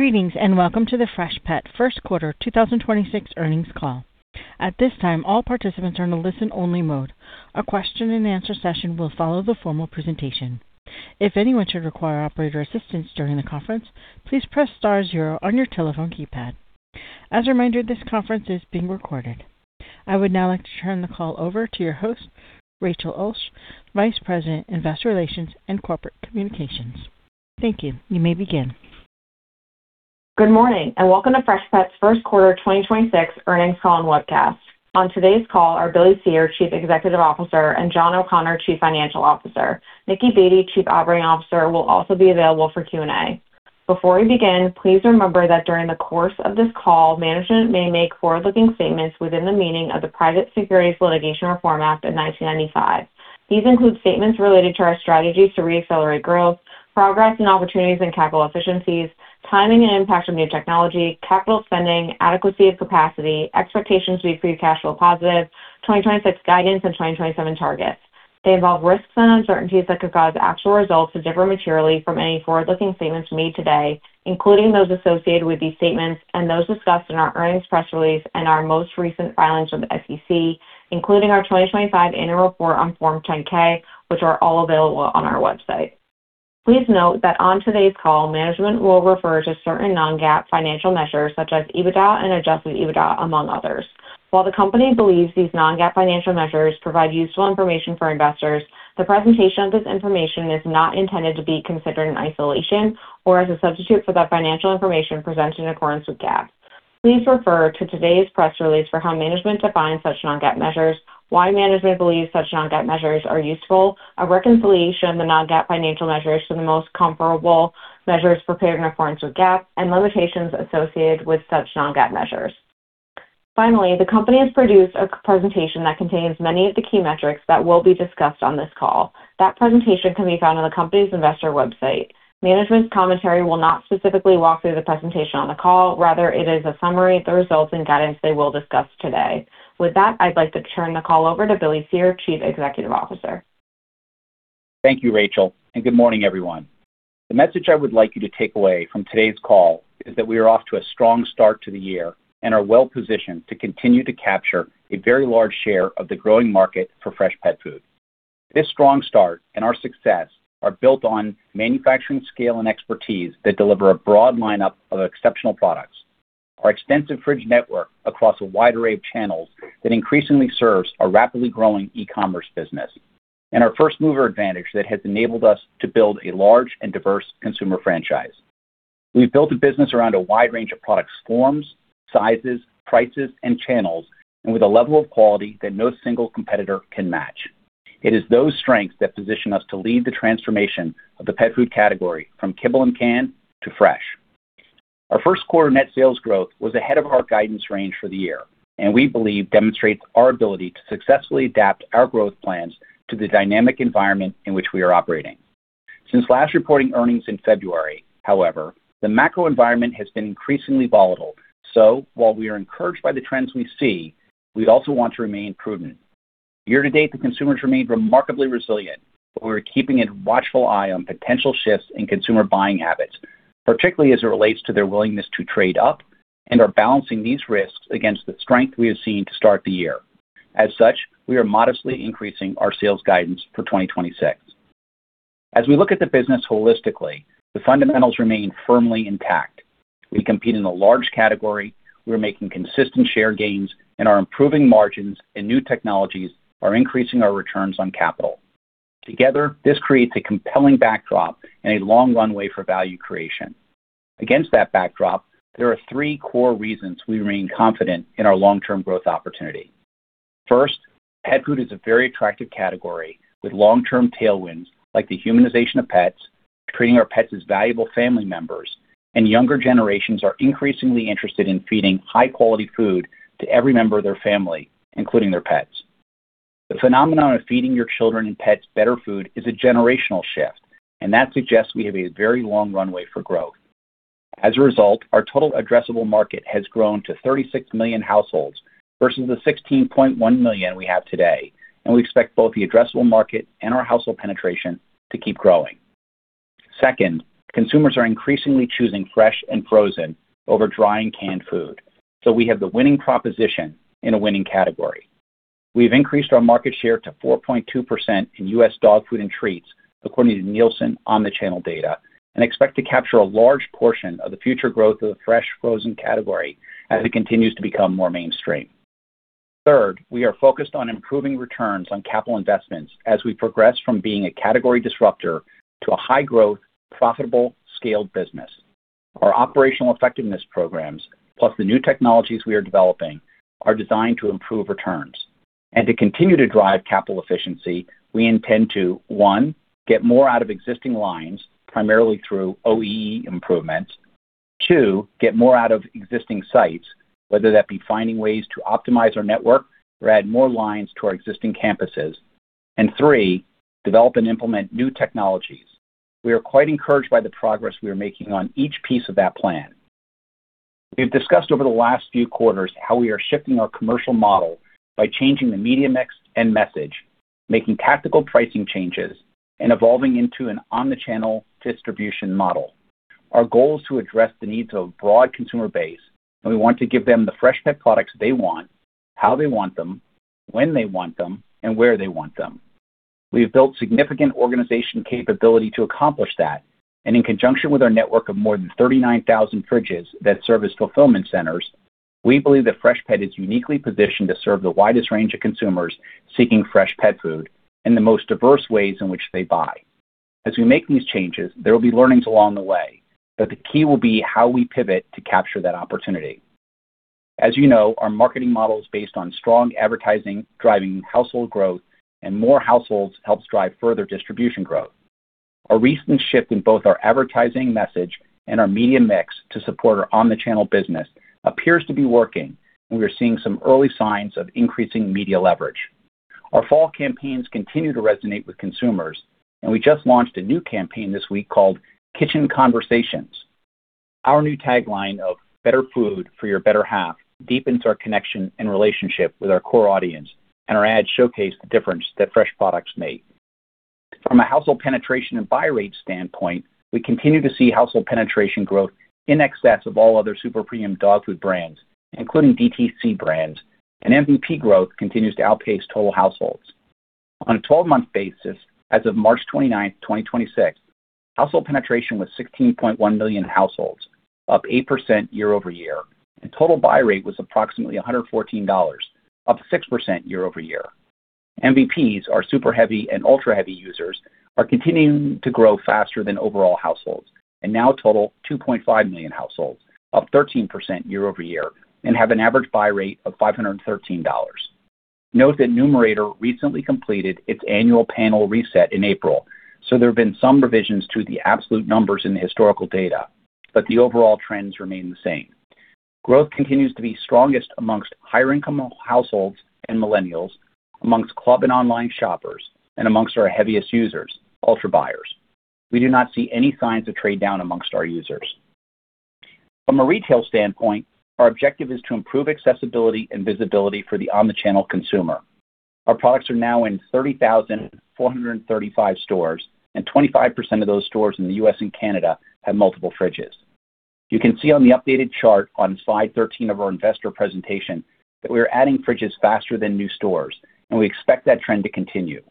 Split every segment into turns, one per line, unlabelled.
Greetings, and welcome to the Freshpet First Quarter 2026 Earnings Call. At this time, all participants are in a listen only mode. A question and answer session will follow the formal presentation. If anyone should require operator assistance during the conference, please press star zero on your telephone keypad. As a reminder, this conference is being recorded. I would now like to turn the call over to your host, Rachel Ulsh, Vice President, Investor Relations and Corporate Communications. Thank you. You may begin.
Good morning. Welcome to Freshpet's First Quarter 2026 earnings call and webcast. On today's call are Billy Cyr, Chief Executive Officer; and John O'Connor, Chief Financial Officer. Nicki Baty, Chief Operating Officer, will also be available for Q&A. Before we begin, please remember that during the course of this call, management may make forward-looking statements within the meaning of the Private Securities Litigation Reform Act of 1995. These include statements related to our strategies to reaccelerate growth, progress and opportunities in capital efficiencies, timing and impact of new technology, capital spending, adequacy of capacity, expectations to be free cash flow positive, 2026 guidance and 2027 targets. They involve risks and uncertainties that could cause actual results to differ materially from any forward-looking statements made today, including those associated with these statements and those discussed in our earnings press release and our most recent filings with the SEC, including our 2025 annual report on Form 10-K, which are all available on our website. Please note that on today's call, management will refer to certain non-GAAP financial measures such as EBITDA and adjusted EBITDA, among others. While the company believes these non-GAAP financial measures provide useful information for investors, the presentation of this information is not intended to be considered in isolation or as a substitute for the financial information presented in accordance with GAAP. Please refer to today's press release for how management defines such non-GAAP measures, why management believes such non-GAAP measures are useful, a reconciliation of the non-GAAP financial measures to the most comparable measures prepared in accordance with GAAP, and limitations associated with such non-GAAP measures. Finally, the company has produced a presentation that contains many of the key metrics that will be discussed on this call. That presentation can be found on the company's investor website. Management's commentary will not specifically walk through the presentation on the call, rather it is a summary of the results and guidance they will discuss today. With that, I'd like to turn the call over to Billy Cyr, Chief Executive Officer.
Thank you, Rachel, and good morning, everyone. The message I would like you to take away from today's call is that we are off to a strong start to the year and are well-positioned to continue to capture a very large share of the growing market for fresh pet food. This strong start and our success are built on manufacturing scale and expertise that deliver a broad lineup of exceptional products. Our extensive fridge network across a wide array of channels that increasingly serves our rapidly growing e-commerce business and our first-mover advantage that has enabled us to build a large and diverse consumer franchise. We've built a business around a wide range of product forms, sizes, prices, and channels, and with a level of quality that no single competitor can match. It is those strengths that position us to lead the transformation of the pet food category from kibble and can to fresh. Our first quarter net sales growth was ahead of our guidance range for the year, and we believe demonstrates our ability to successfully adapt our growth plans to the dynamic environment in which we are operating. Since last reporting earnings in February, however, the macro environment has been increasingly volatile. While we are encouraged by the trends we see, we also want to remain prudent. Year-to-date, the consumer's remained remarkably resilient, but we're keeping a watchful eye on potential shifts in consumer buying habits, particularly as it relates to their willingness to trade up and are balancing these risks against the strength we have seen to start the year. As such, we are modestly increasing our sales guidance for 2026. As we look at the business holistically, the fundamentals remain firmly intact. We compete in a large category. We're making consistent share gains and are improving margins. New technologies are increasing our returns on capital. Together, this creates a compelling backdrop and a long runway for value creation. Against that backdrop, there are three core reasons we remain confident in our long-term growth opportunity. First, pet food is a very attractive category with long-term tailwinds like the humanization of pets, treating our pets as valuable family members, and younger generations are increasingly interested in feeding high-quality food to every member of their family, including their pets. The phenomenon of feeding your children and pets better food is a generational shift. That suggests we have a very long runway for growth. As a result, our total addressable market has grown to 36 million households versus the 16.1 million we have today. We expect both the addressable market and our household penetration to keep growing. Second, consumers are increasingly choosing fresh and frozen over dry and canned food. We have the winning proposition in a winning category. We've increased our market share to 4.2% in U.S. dog food and treats according to Nielsen omnichannel data. We expect to capture a large portion of the future growth of the fresh frozen category as it continues to become more mainstream. Third, we are focused on improving returns on capital investments as we progress from being a category disruptor to a high-growth, profitable, scaled business. Our operational effectiveness programs, plus the new technologies we are developing, are designed to improve returns. To continue to drive capital efficiency, we intend to, one, get more out of existing lines, primarily through OE improvements. Two, get more out of existing sites, whether that be finding ways to optimize our network or add more lines to our existing campuses. Three, develop and implement new technologies. We are quite encouraged by the progress we are making on each piece of that plan. We've discussed over the last few quarters how we are shifting our commercial model by changing the media mix and message, making tactical pricing changes, and evolving into an omnichannel distribution model. Our goal is to address the needs of a broad consumer base, and we want to give them the fresh pet products they want, how they want them, when they want them, and where they want them. We have built significant organization capability to accomplish that, and in conjunction with our network of more than 39,000 fridges that serve as fulfillment centers, we believe that Freshpet is uniquely positioned to serve the widest range of consumers seeking fresh pet food in the most diverse ways in which they buy. As we make these changes, there will be learnings along the way, but the key will be how we pivot to capture that opportunity. As you know, our marketing model is based on strong advertising driving household growth and more households helps drive further distribution growth. A recent shift in both our advertising message and our media mix to support our omnichannel business appears to be working, and we are seeing some early signs of increasing media leverage. Our fall campaigns continue to resonate with consumers, and we just launched a new campaign this week called Kitchen Conversations. Our new tagline of "Better Food for Your Better Half" deepens our connection and relationship with our core audience, and our ads showcase the difference that fresh products make. From a household penetration and buy rate standpoint, we continue to see household penetration growth in excess of all other super premium dog food brands, including DTC brands, and MVP growth continues to outpace total households. On a 12-month basis, as of March 29th, 2026, household penetration was 16.1 million households, up 8% year-over-year, and total buy rate was approximately $114, up 6% year-over-year. MVPs are super heavy and ultra-heavy users are continuing to grow faster than overall households and now total 2.5 million households, up 13% year-over-year and have an average buy rate of $513. Note that Numerator recently completed its annual panel reset in April. There have been some revisions to the absolute numbers in the historical data, but the overall trends remain the same. Growth continues to be strongest amongst higher income households and Millennials, amongst club and online shoppers, and amongst our heaviest users, ultra buyers. We do not see any signs of trade-down amongst our users. From a retail standpoint, our objective is to improve accessibility and visibility for the omnichannel consumer. Our products are now in 30,435 stores. 25% of those stores in the U.S. and Canada have multiple fridges. You can see on the updated chart on slide 13 of our investor presentation that we are adding fridges faster than new stores, and we expect that trend to continue.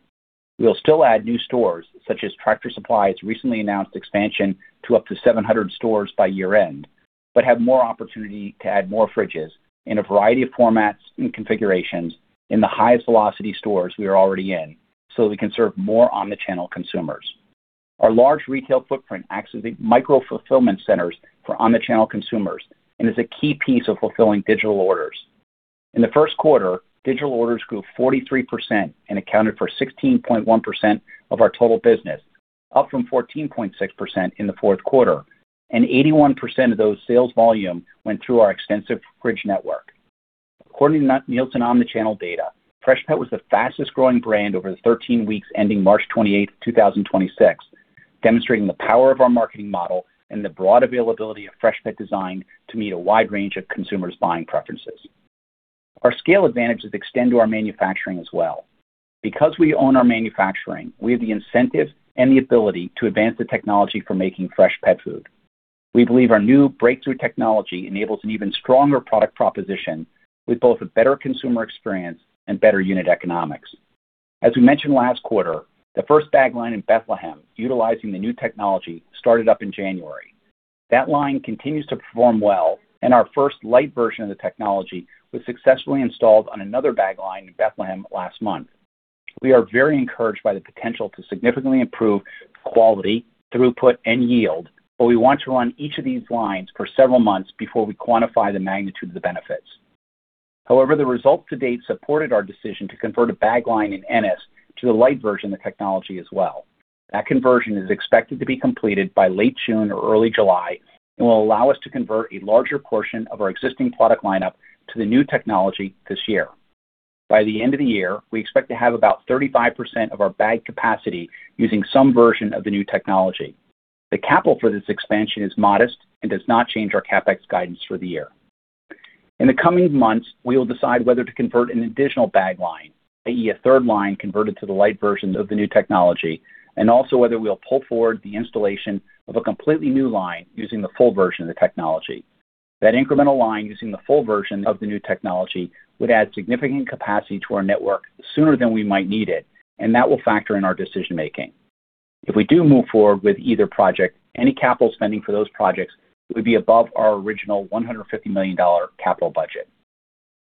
We will still add new stores such as Tractor Supply's recently announced expansion to up to 700 stores by year-end, but have more opportunity to add more fridges in a variety of formats and configurations in the highest velocity stores we are already in, so we can serve more omnichannel consumers. Our large retail footprint acts as a micro-fulfillment centers for omnichannel consumers and is a key piece of fulfilling digital orders. In the first quarter, digital orders grew 43% and accounted for 16.1% of our total business, up from 14.6% in the fourth quarter, and 81% of those sales volume went through our extensive fridge network. According to Nielsen omnichannel data, Freshpet was the fastest-growing brand over the 13 weeks ending March 28th, 2026, demonstrating the power of our marketing model and the broad availability of Freshpet designed to meet a wide range of consumers' buying preferences. Our scale advantages extend to our manufacturing as well. Because we own our manufacturing, we have the incentive and the ability to advance the technology for making fresh pet food. We believe our new breakthrough technology enables an even stronger product proposition with both a better consumer experience and better unit economics. As we mentioned last quarter, the first bag line in Bethlehem utilizing the new technology started up in January. That line continues to perform well, and our first light version of the technology was successfully installed on another bag line in Bethlehem last month. We are very encouraged by the potential to significantly improve quality, throughput, and yield, but we want to run each of these lines for several months before we quantify the magnitude of the benefits. However, the results to date supported our decision to convert a bag line in Ennis to the light version of the technology as well. That conversion is expected to be completed by late June or early July and will allow us to convert a larger portion of our existing product lineup to the new technology this year. By the end of the year, we expect to have about 35% of our bag capacity using some version of the new technology. The capital for this expansion is modest and does not change our CapEx guidance for the year. In the coming months, we will decide whether to convert an additional bag line, i.e., a third line converted to the light version of the new technology, and also whether we'll pull forward the installation of a completely new line using the full version of the technology. That incremental line using the full version of the new technology would add significant capacity to our network sooner than we might need it, and that will factor in our decision-making. If we do move forward with either project, any capital spending for those projects would be above our original $150 million capital budget.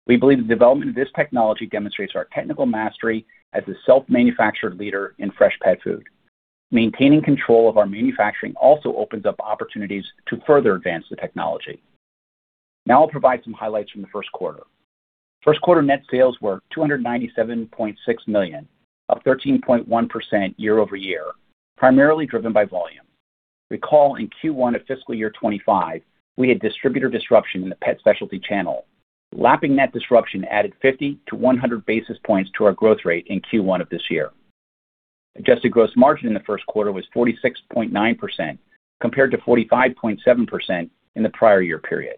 We believe the development of this technology demonstrates our technical mastery as a self-manufactured leader in fresh pet food. Maintaining control of our manufacturing also opens up opportunities to further advance the technology. I'll provide some highlights from the first quarter. First quarter net sales were $297.6 million, up 13.1% year-over-year, primarily driven by volume. Recall in Q1 of FY 2025, we had distributor disruption in the pet specialty channel. Lapping that disruption added 50 to 100 basis points to our growth rate in Q1 of this year. Adjusted gross margin in the First quarter was 46.9%, compared to 45.7% in the prior year period.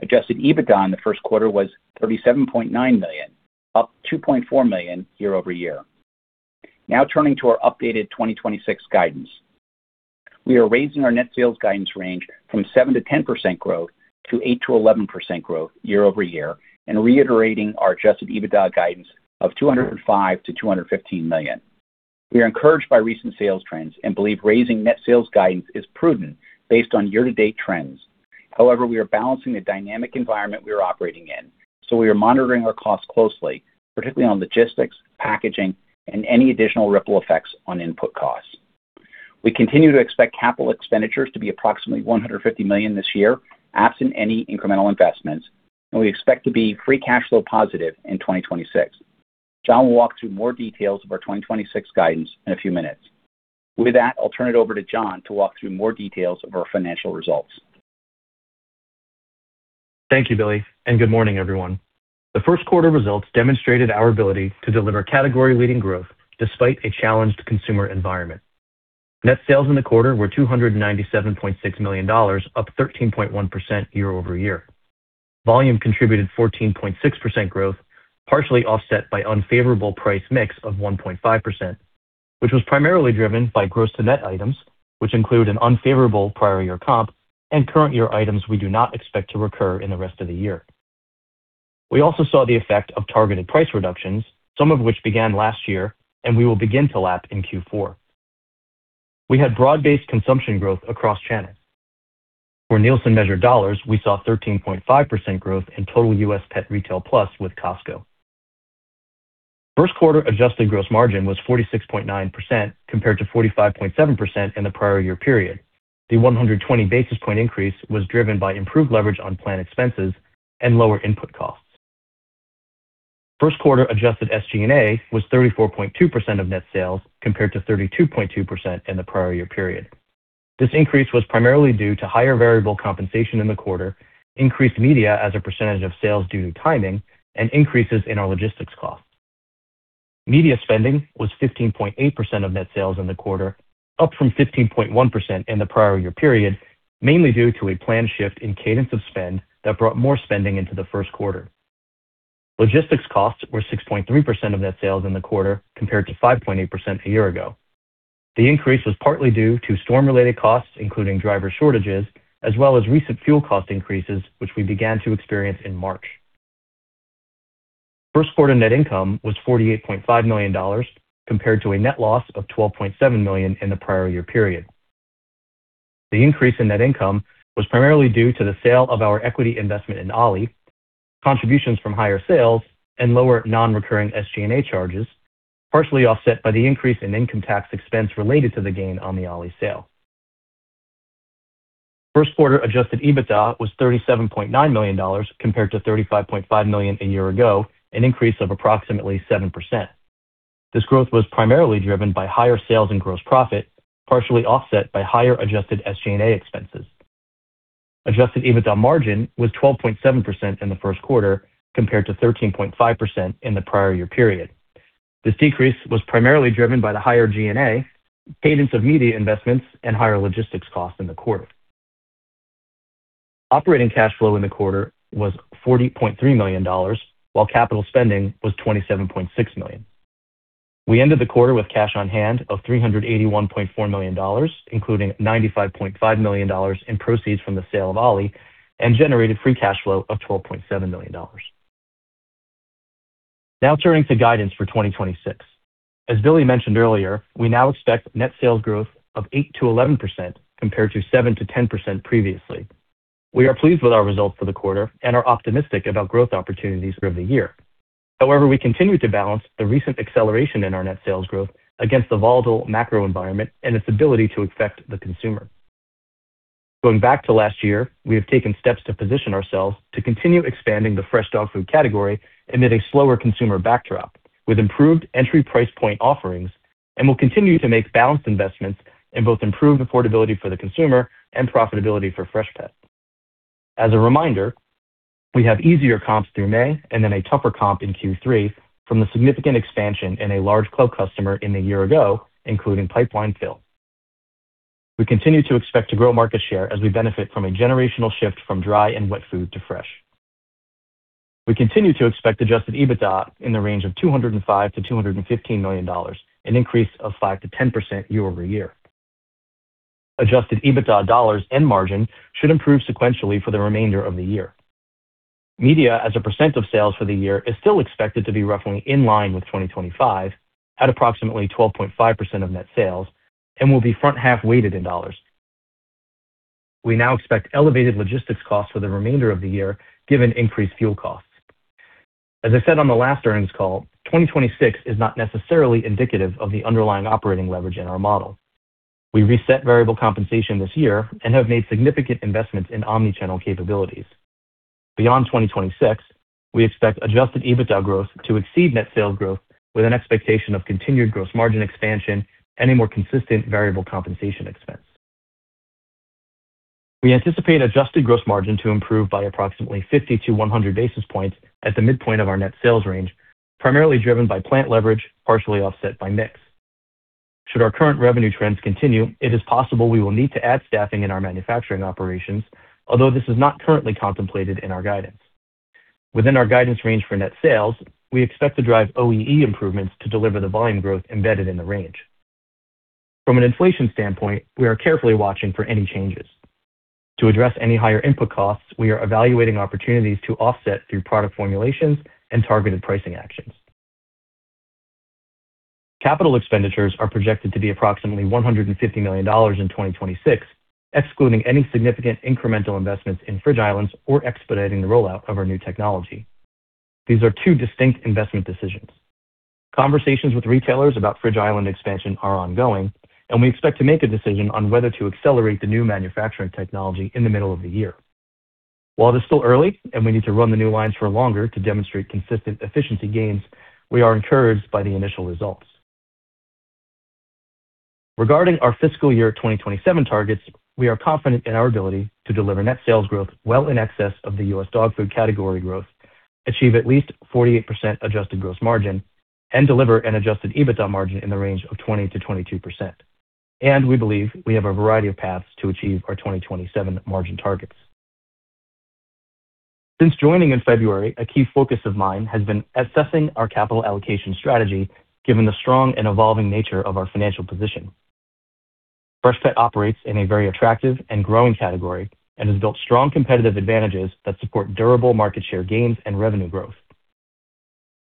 Adjusted EBITDA in the first quarter was $37.9 million, up $2.4 million year-over-year. Turning to our updated 2026 guidance. We are raising our net sales guidance range from 7%-10% growth to 8%-11% growth year-over-year, and reiterating our adjusted EBITDA guidance of $205 million-$215 million. We are encouraged by recent sales trends and believe raising net sales guidance is prudent based on year-to-date trends. However, we are balancing the dynamic environment we are operating in, so we are monitoring our costs closely, particularly on logistics, packaging, and any additional ripple effects on input costs. We continue to expect capital expenditures to be approximately $150 million this year, absent any incremental investments, and we expect to be free cash flow positive in 2026. John will walk through more details of our 2026 guidance in a few minutes. With that, I'll turn it over to John to walk through more details of our financial results.
Thank you, Billy, and good morning, everyone. The first quarter results demonstrated our ability to deliver category-leading growth despite a challenged consumer environment. Net sales in the quarter were $297.6 million, up 13.1% year-over-year. Volume contributed 14.6% growth, partially offset by unfavorable price mix of 1.5%, which was primarily driven by gross-to-net items, which include an unfavorable prior year comp and current year items we do not expect to recur in the rest of the year. We also saw the effect of targeted price reductions, some of which began last year, and we will begin to lap in Q4. We had broad-based consumption growth across channels. For Nielsen measured dollars, we saw 13.5% growth in total U.S. pet retail plus with Costco. First quarter adjusted gross margin was 46.9% compared to 45.7% in the prior year period. The 120 basis point increase was driven by improved leverage on plant expenses and lower input costs. First quarter adjusted SG&A was 34.2% of net sales compared to 32.2% in the prior year period. This increase was primarily due to higher variable compensation in the quarter, increased media as a percentage of sales due to timing, and increases in our logistics costs. Media spending was 15.8% of net sales in the quarter, up from 15.1% in the prior year period, mainly due to a planned shift in cadence of spend that brought more spending into the first quarter. Logistics costs were 6.3% of net sales in the quarter compared to 5.8% a year-ago. The increase was partly due to storm-related costs, including driver shortages, as well as recent fuel cost increases, which we began to experience in March. First quarter net income was $48.5 million compared to a net loss of $12.7 million in the prior year period. The increase in net income was primarily due to the sale of our equity investment in Ollie, contributions from higher sales, and lower non-recurring SG&A charges, partially offset by the increase in income tax expense related to the gain on the Ollie sale. First quarter adjusted EBITDA was $37.9 million compared to $35.5 million a year-ago, an increase of approximately 7%. This growth was primarily driven by higher sales and gross profit, partially offset by higher adjusted SG&A expenses. Adjusted EBITDA margin was 12.7% in the first quarter compared to 13.5% in the prior year period. This decrease was primarily driven by the higher G&A, cadence of media investments, and higher logistics costs in the quarter. Operating cash flow in the quarter was $40.3 million while capital spending was $27.6 million. We ended the quarter with cash on hand of $381.4 million, including $95.5 million in proceeds from the sale of Ollie and generated free cash flow of $12.7 million. Turning to guidance for 2026. As Billy mentioned earlier, we now expect net sales growth of 8%-11% compared to 7%-10% previously. We are pleased with our results for the quarter and are optimistic about growth opportunities for the year. We continue to balance the recent acceleration in our net sales growth against the volatile macro environment and its ability to affect the consumer. Going back to last year, we have taken steps to position ourselves to continue expanding the fresh dog food category amid a slower consumer backdrop with improved entry price point offerings, and will continue to make balanced investments in both improved affordability for the consumer and profitability for Freshpet. As a reminder, we have easier comps through May and then a tougher comp in Q3 from the significant expansion in a large club customer in the year ago, including pipeline fill. We continue to expect to grow market share as we benefit from a generational shift from dry and wet food to fresh. We continue to expect adjusted EBITDA in the range of $205 million-$215 million, an increase of 5%-10% year-over-year. Adjusted EBITDA dollars and margin should improve sequentially for the remainder of the year. Media as a percentage of sales for the year is still expected to be roughly in line with 2025 at approximately 12.5% of net sales and will be front half weighted in dollars. We now expect elevated logistics costs for the remainder of the year, given increased fuel costs. As I said on the last earnings call, 2026 is not necessarily indicative of the underlying operating leverage in our model. We reset variable compensation this year and have made significant investments in omnichannel capabilities. Beyond 2026, we expect adjusted EBITDA growth to exceed net sales growth with an expectation of continued gross margin expansion and a more consistent variable compensation expense. We anticipate adjusted gross margin to improve by approximately 50-100 basis points at the midpoint of our net sales range, primarily driven by plant leverage, partially offset by mix. Should our current revenue trends continue, it is possible we will need to add staffing in our manufacturing operations, although this is not currently contemplated in our guidance. Within our guidance range for net sales, we expect to drive OEE improvements to deliver the volume growth embedded in the range. From an inflation standpoint, we are carefully watching for any changes. To address any higher input costs, we are evaluating opportunities to offset through product formulations and targeted pricing actions. Capital expenditures are projected to be approximately $150 million in 2026, excluding any significant incremental investments in fridge islands or expediting the rollout of our new technology. These are two distinct investment decisions. Conversations with retailers about fridge island expansion are ongoing, and we expect to make a decision on whether to accelerate the new manufacturing technology in the middle of the year. While it is still early and we need to run the new lines for longer to demonstrate consistent efficiency gains, we are encouraged by the initial results. Regarding our fiscal year 2027 targets, we are confident in our ability to deliver net sales growth well in excess of the U.S. dog food category growth, achieve at least 48% adjusted gross margin, and deliver an adjusted EBITDA margin in the range of 20%-22%. We believe we have a variety of paths to achieve our 2027 margin targets. Since joining in February, a key focus of mine has been assessing our capital allocation strategy, given the strong and evolving nature of our financial position. Freshpet operates in a very attractive and growing category and has built strong competitive advantages that support durable market share gains and revenue growth.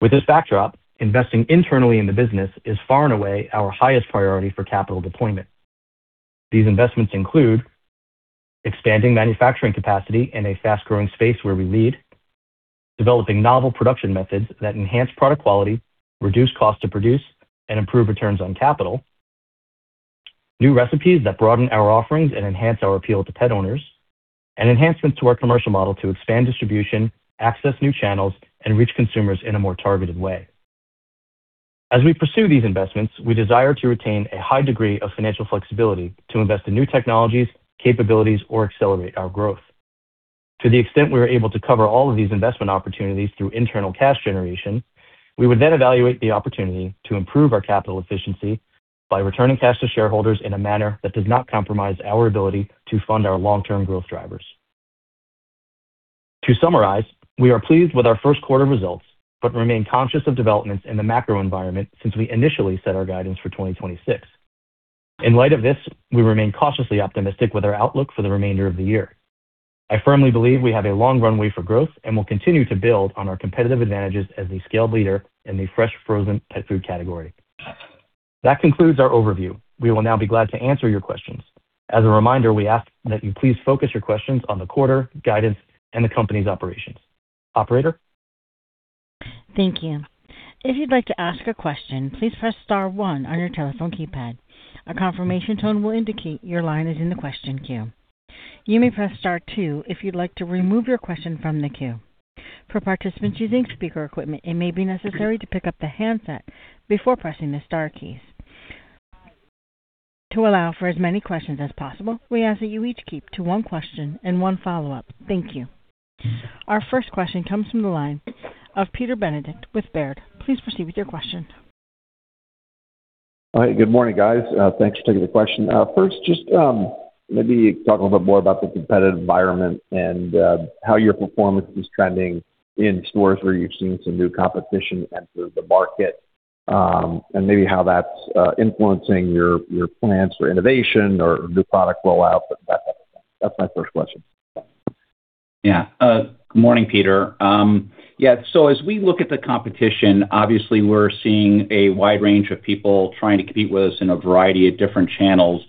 With this backdrop, investing internally in the business is far and away our highest priority for capital deployment. These investments include expanding manufacturing capacity in a fast-growing space where we lead, developing novel production methods that enhance product quality, reduce cost to produce, and improve returns on capital, new recipes that broaden our offerings and enhance our appeal to pet owners, and enhancements to our commercial model to expand distribution, access new channels, and reach consumers in a more targeted way. As we pursue these investments, we desire to retain a high degree of financial flexibility to invest in new technologies, capabilities, or accelerate our growth. To the extent we are able to cover all of these investment opportunities through internal cash generation, we would then evaluate the opportunity to improve our capital efficiency by returning cash to shareholders in a manner that does not compromise our ability to fund our long-term growth drivers. To summarize, we are pleased with our first quarter results, but remain conscious of developments in the macro environment since we initially set our guidance for 2026. In light of this, we remain cautiously optimistic with our outlook for the remainder of the year. I firmly believe we have a long runway for growth and will continue to build on our competitive advantages as a scaled leader in the fresh frozen pet food category. That concludes our overview. We will now be glad to answer your questions. As a reminder, we ask that you please focus your questions on the quarter, guidance, and the company's operations. Operator?
Thank you. If you would like to ask a question please press star one on your telephone keypad. A confirmation tone will indicate your line is in the question queue. You may press star two if you'd like to remove your question from the queue. For participants using speaker equipment, it may be necessary to pick up the handset before pressing the star key. To allow for as many questions as possible, we ask that you restrain to one question and one follow-up. Thank you. Our first question comes from the line of Peter Benedict with Baird. Please proceed with your question.
All right. Good morning, guys. Thanks for taking the question. First, just maybe talk a little bit more about the competitive environment and how your performance is trending in stores where you've seen some new competition enter the market, and maybe how that's influencing your plans for innovation or new product rollout. That's my first question.
Good morning, Peter. As we look at the competition, obviously we're seeing a wide range of people trying to compete with us in a variety of different channels,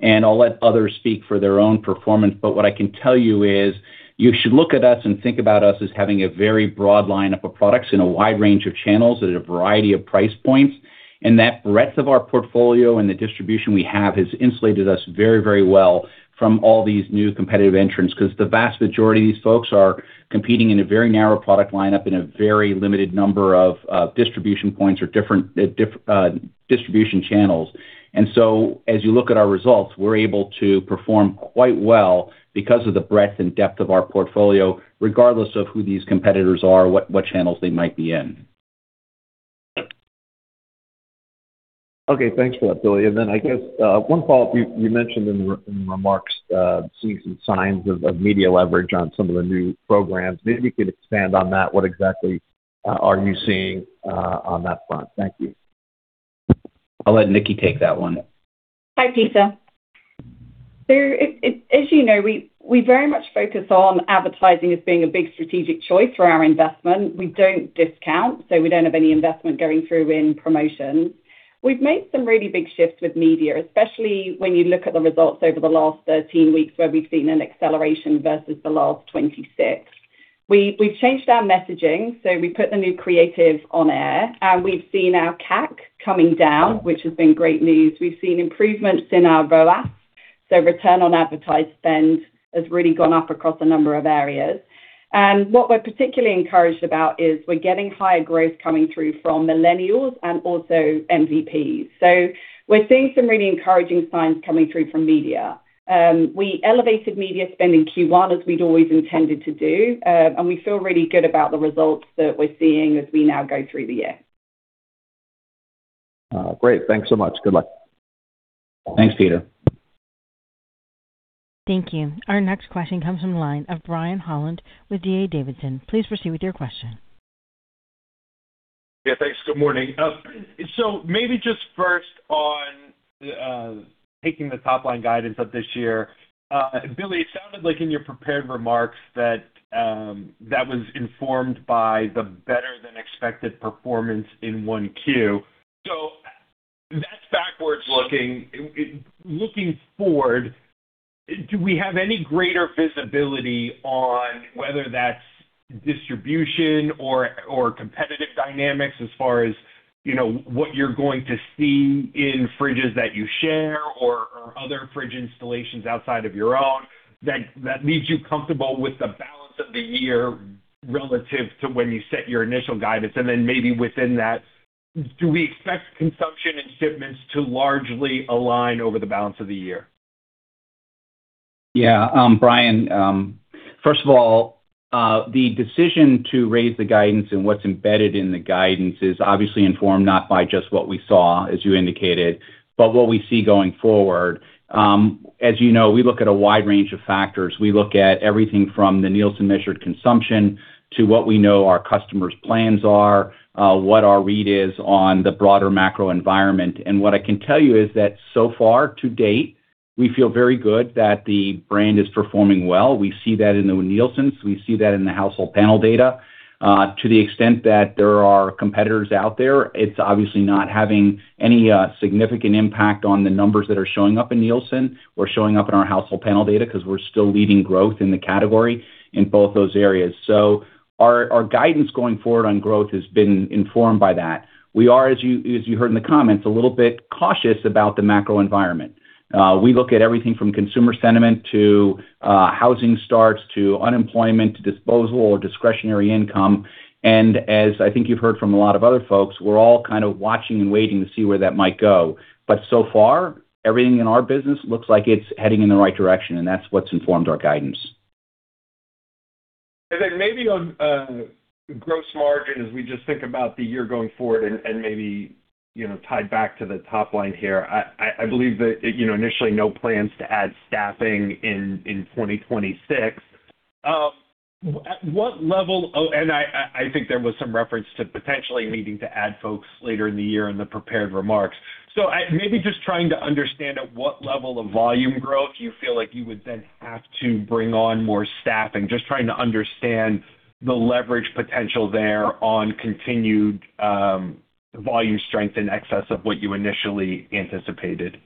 and I'll let others speak for their own performance. What I can tell you is you should look at us and think about us as having a very broad lineup of products in a wide range of channels at a variety of price points. That breadth of our portfolio and the distribution we have has insulated us very, very well from all these new competitive entrants, because the vast majority of these folks are competing in a very narrow product lineup in a very limited number of distribution points or different distribution channels. As you look at our results, we're able to perform quite well because of the breadth and depth of our portfolio, regardless of who these competitors are, what channels they might be in.
Okay. Thanks for that, Billy. Then I guess, one follow-up. You mentioned in the remarks, seeing some signs of media leverage on some of the new programs. Maybe you could expand on that. What exactly are you seeing on that front? Thank you.
I'll let Nicki take that one.
Hi, Peter. As you know, we very much focus on advertising as being a big strategic choice for our investment. We don't discount, so we don't have any investment going through in promotions. We've made some really big shifts with media, especially when you look at the results over the last 13 weeks, where we've seen an acceleration versus the last 26. We've changed our messaging, so we put the new creative on air, and we've seen our CAC coming down, which has been great news. We've seen improvements in our ROAS, so return on advertising spend has really gone up across a number of areas. What we're particularly encouraged about is we're getting higher growth coming through from millennials and also MVPs. We're seeing some really encouraging signs coming through from media. We elevated media spend in Q1 as we'd always intended to do. We feel really good about the results that we're seeing as we now go through the year.
Great. Thanks so much. Good luck.
Thanks, Peter.
Thank you. Our next question comes from the line of Brian Holland with D.A. Davidson. Please proceed with your question.
Yeah, thanks. Good morning. Maybe just first on taking the top line guidance up this year. Billy, it sounded like in your prepared remarks that was informed by the better than expected performance in 1Q. That's backwards looking. Looking forward, do we have any greater visibility on whether that's distribution or competitive dynamics as far as, you know, what you're going to see in fridges that you share or other fridge installations outside of your own that leaves you comfortable with the balance of the year relative to when you set your initial guidance? Maybe within that, do we expect consumption and shipments to largely align over the balance of the year?
Yeah. Brian, first of all, the decision to raise the guidance and what's embedded in the guidance is obviously informed not by just what we saw, as you indicated, but what we see going forward. As you know, we look at a wide range of factors. We look at everything from the Nielsen measured consumption to what we know our customers' plans are, what our read is on the broader macro environment. What I can tell you is that so far to date, we feel very good that the brand is performing well. We see that in the Nielsens. We see that in the household panel data. To the extent that there are competitors out there, it's obviously not having any significant impact on the numbers that are showing up in Nielsen or showing up in our household panel data 'cause we're still leading growth in the category in both those areas. Our, our guidance going forward on growth has been informed by that. We are, as you heard in the comments, a little bit cautious about the macro environment. We look at everything from consumer sentiment to housing starts to unemployment to disposal or discretionary income. As I think you've heard from a lot of other folks, we're all kind of watching and waiting to see where that might go. So far, everything in our business looks like it's heading in the right direction, and that's what's informed our guidance.
Then maybe on gross margin as we just think about the year going forward and maybe, you know, tied back to the top line here. I believe that, you know, initially no plans to add staffing in 2026. I think there was some reference to potentially needing to add folks later in the year in the prepared remarks. Maybe just trying to understand at what level of volume growth you feel like you would then have to bring on more staffing? Just trying to understand the leverage potential there on continued volume strength in excess of what you initially anticipated.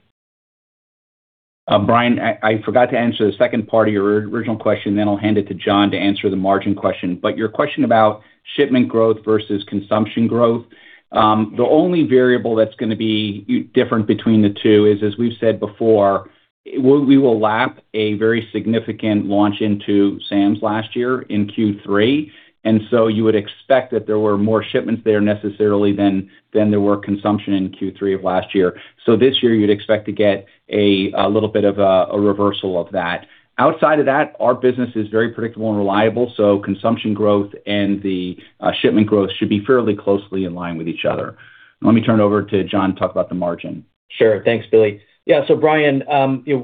Brian, I forgot to answer the second part of your original question, then I'll hand it to John to answer the margin question. Your question about shipment growth versus consumption growth, the only variable that's gonna be different between the two is, as we've said before, we will lap a very significant launch into Sam's last year in Q3. You would expect that there were more shipments there necessarily than there were consumption in Q3 of last year. This year, you'd expect to get a little bit of a reversal of that. Outside of that, our business is very predictable and reliable, so consumption growth and the shipment growth should be fairly closely in line with each other. Let me turn it over to John to talk about the margin.
Sure. Thanks, Billy. Yeah, Brian,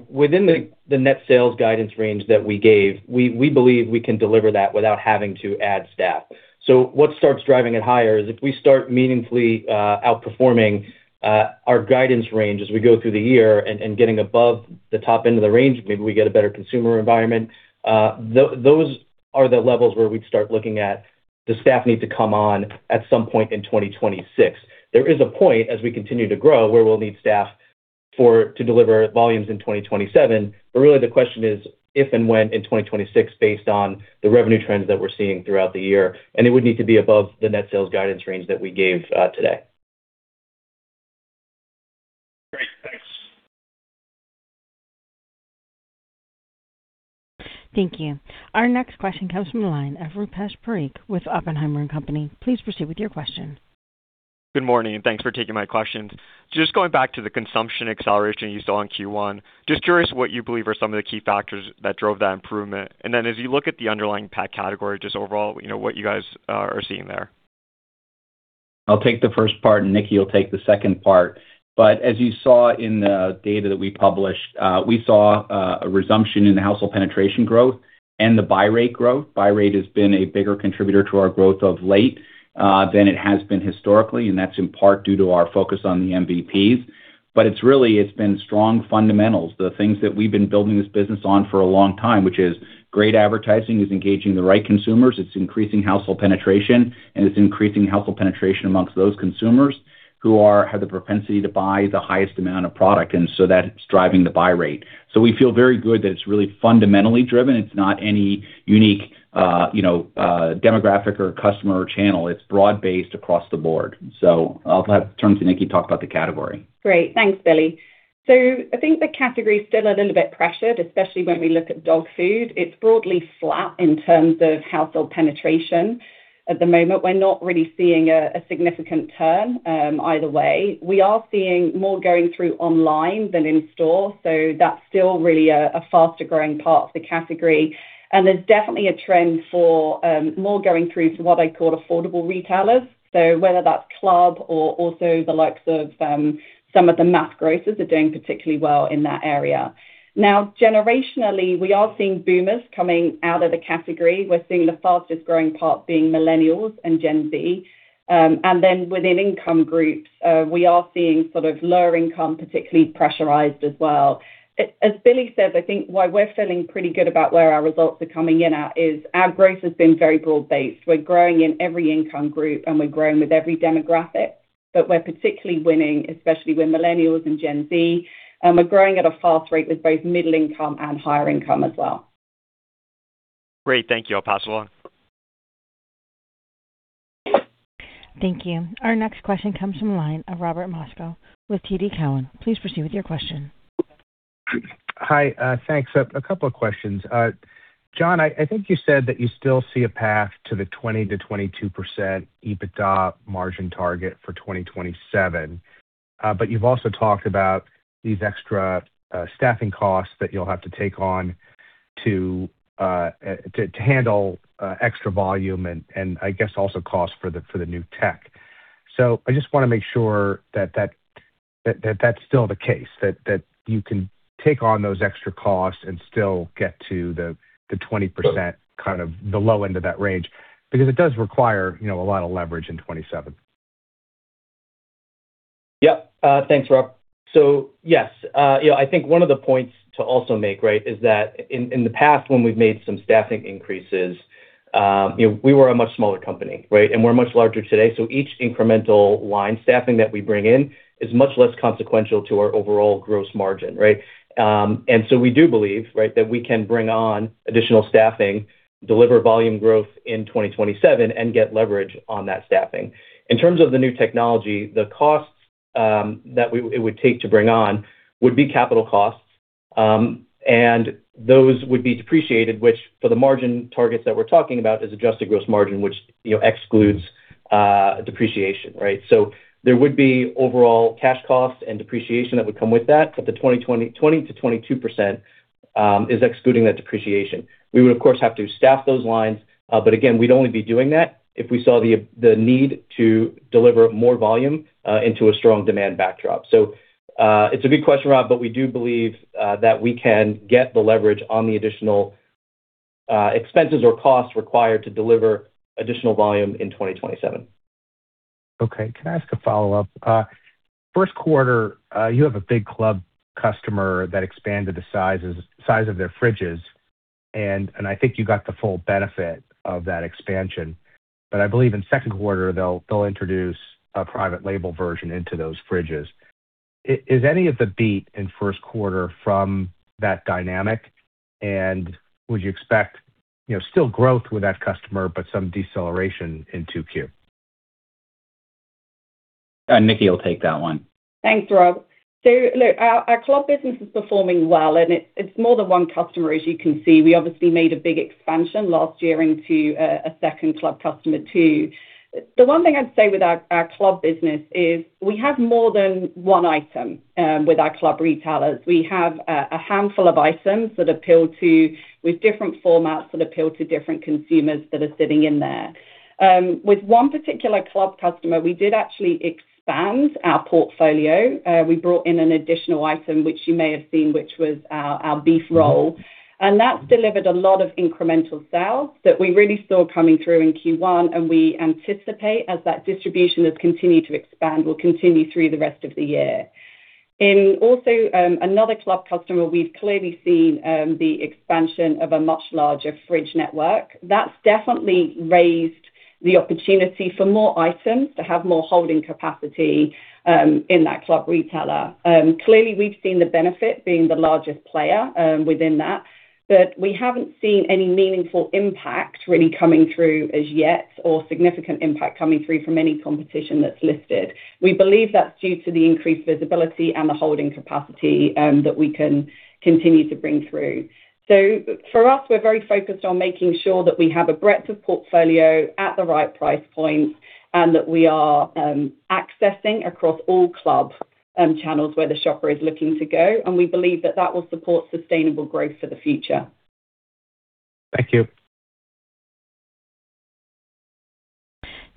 within the net sales guidance range that we gave, we believe we can deliver that without having to add staff. What starts driving it higher is if we start meaningfully outperforming our guidance range as we go through the year and getting above the top end of the range, maybe we get a better consumer environment, those are the levels where we'd start looking at the staff need to come on at some point in 2026. There is a point as we continue to grow, where we'll need staff to deliver volumes in 2027. Really the question is, if and when in 2026, based on the revenue trends that we're seeing throughout the year, and it would need to be above the net sales guidance range that we gave today.
Great. Thanks.
Thank you. Our next question comes from the line of Rupesh Parikh with Oppenheimer and Company. Please proceed with your question.
Good morning. Thanks for taking my questions. Just going back to the consumption acceleration you saw in Q1, just curious what you believe are some of the key factors that drove that improvement. As you look at the underlying pet category, just overall, you know, what you guys are seeing there.
I'll take the first part, and Nicki will take the second part. As you saw in the data that we published, we saw a resumption in the household penetration growth and the buy rate growth. Buy rate has been a bigger contributor to our growth of late than it has been historically, and that's in part due to our focus on the MVPs. It's been strong fundamentals. The things that we've been building this business on for a long time, which is great advertising, is engaging the right consumers, it's increasing household penetration, and it's increasing household penetration amongst those consumers who have the propensity to buy the highest amount of product. That's driving the buy rate. We feel very good that it's really fundamentally driven. It's not any unique, you know, demographic or customer or channel. It's broad-based across the board. I'll turn to Nicki to talk about the category.
Great. Thanks, Billy. I think the category is still a little bit pressured, especially when we look at dog food. It's broadly flat in terms of household penetration. At the moment, we're not really seeing a significant turn either way. We are seeing more going through online than in store, that's still really a faster-growing part of the category. There's definitely a trend for more going through to what I'd call affordable retailers. Whether that's club or also the likes of some of the mass grocers are doing particularly well in that area. Generationally, we are seeing boomers coming out of the category. We're seeing the fastest-growing part being millennials and Gen Z. Within income groups, we are seeing sort of lower income particularly pressurized as well. As Billy said, I think why we're feeling pretty good about where our results are coming in at is our growth has been very broad-based. We're growing in every income group, and we're growing with every demographic, but we're particularly winning, especially with millennials and Gen Z. We're growing at a fast rate with both middle income and higher income as well.
Great. Thank you. I'll pass along.
Thank you. Our next question comes from the line of Robert Moskow with TD Cowen. Please proceed with your question.
Hi, thanks. A couple of questions. John, I think you said that you still see a path to the 20%-22% EBITDA margin target for 2027. But you've also talked about these extra staffing costs that you'll have to take on to handle extra volume and I guess also cost for the new tech. I just wanna make sure that that's still the case, that you can take on those extra costs and still get to the 20% kind of the low end of that range because it does require, you know, a lot of leverage in 2027.
Yep. Thanks, Rob. Yes, you know, I think one of the points to also make, right, is that in the past when we've made some staffing increases, you know, we were a much smaller company, right? We're much larger today. Each incremental line staffing that we bring in is much less consequential to our overall gross margin, right? We do believe, right, that we can bring on additional staffing, deliver volume growth in 2027, and get leverage on that staffing. In terms of the new technology, the costs that it would take to bring on would be capital costs, and those would be depreciated, which for the margin targets that we're talking about is adjusted gross margin, which, you know, excludes depreciation, right? There would be overall cash costs and depreciation that would come with that. The 20%-22% is excluding that depreciation. We would, of course, have to staff those lines, but again, we'd only be doing that if we saw the need to deliver more volume into a strong demand backdrop. It's a good question, Robert, but we do believe that we can get the leverage on the additional expenses or costs required to deliver additional volume in 2027.
Okay. Can I ask a follow-up? First quarter, you have a big club customer that expanded the size of their fridges, and I think you got the full benefit of that expansion. I believe in second quarter, they'll introduce a private label version into those fridges. Is any of the beat in first quarter from that dynamic? Would you expect, you know, still growth with that customer but some deceleration in 2Q?
Nicki will take that one.
Thanks, Rob. Look, our club business is performing well, and it's more than one customer, as you can see. We obviously made a big expansion last year into a second club customer too. The one thing I'd say with our club business is we have more than one item with our club retailers. We have a handful of items that appeal to with different formats that appeal to different consumers that are sitting in there. With one particular club customer, we did actually expand our portfolio. We brought in an additional item, which you may have seen, which was our beef roll. That's delivered a lot of incremental sales that we really saw coming through in Q1, and we anticipate as that distribution has continued to expand, will continue through the rest of the year. In also, another club customer, we've clearly seen the expansion of a much larger fridge network. That's definitely raised the opportunity for more items to have more holding capacity in that club retailer. Clearly, we've seen the benefit being the largest player within that. We haven't seen any meaningful impact really coming through as yet or significant impact coming through from any competition that's listed. We believe that's due to the increased visibility and the holding capacity that we can continue to bring through. For us, we're very focused on making sure that we have a breadth of portfolio at the right price points and that we are accessing across all club channels where the shopper is looking to go. We believe that that will support sustainable growth for the future.
Thank you.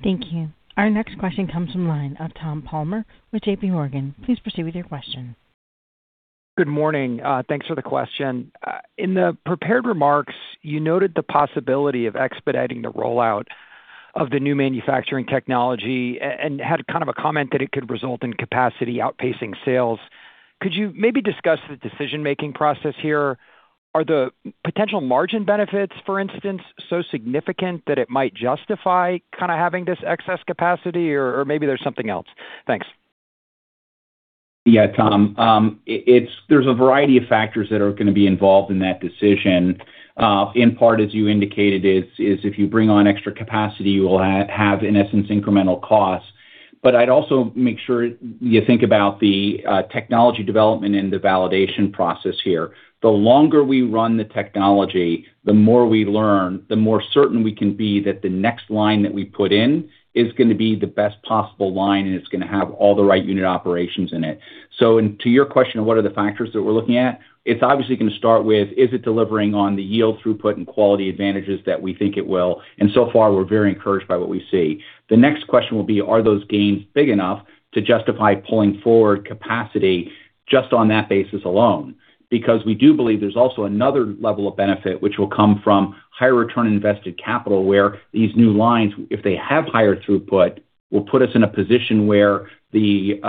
Thank you. Our next question comes from line of Tom Palmer with JPMorgan. Please proceed with your question.
Good morning. Thanks for the question. In the prepared remarks, you noted the possibility of expediting the rollout of the new manufacturing technology and had kind of a comment that it could result in capacity outpacing sales. Could you maybe discuss the decision-making process here? Are the potential margin benefits, for instance, so significant that it might justify kinda having this excess capacity or maybe there's something else? Thanks.
Yeah, Tom. There's a variety of factors that are gonna be involved in that decision. In part, as you indicated, is if you bring on extra capacity, you will have, in essence, incremental costs. I'd also make sure you think about the technology development and the validation process here. The longer we run the technology, the more we learn, the more certain we can be that the next line that we put in is gonna be the best possible line, and it's gonna have all the right unit operations in it. To your question, what are the factors that we're looking at? It's obviously gonna start with, is it delivering on the yield throughput and quality advantages that we think it will? So far, we're very encouraged by what we see. The next question will be, are those gains big enough to justify pulling forward capacity just on that basis alone? We do believe there's also another level of benefit which will come from higher return on invested capital, where these new lines, if they have higher throughput, will put us in a position where the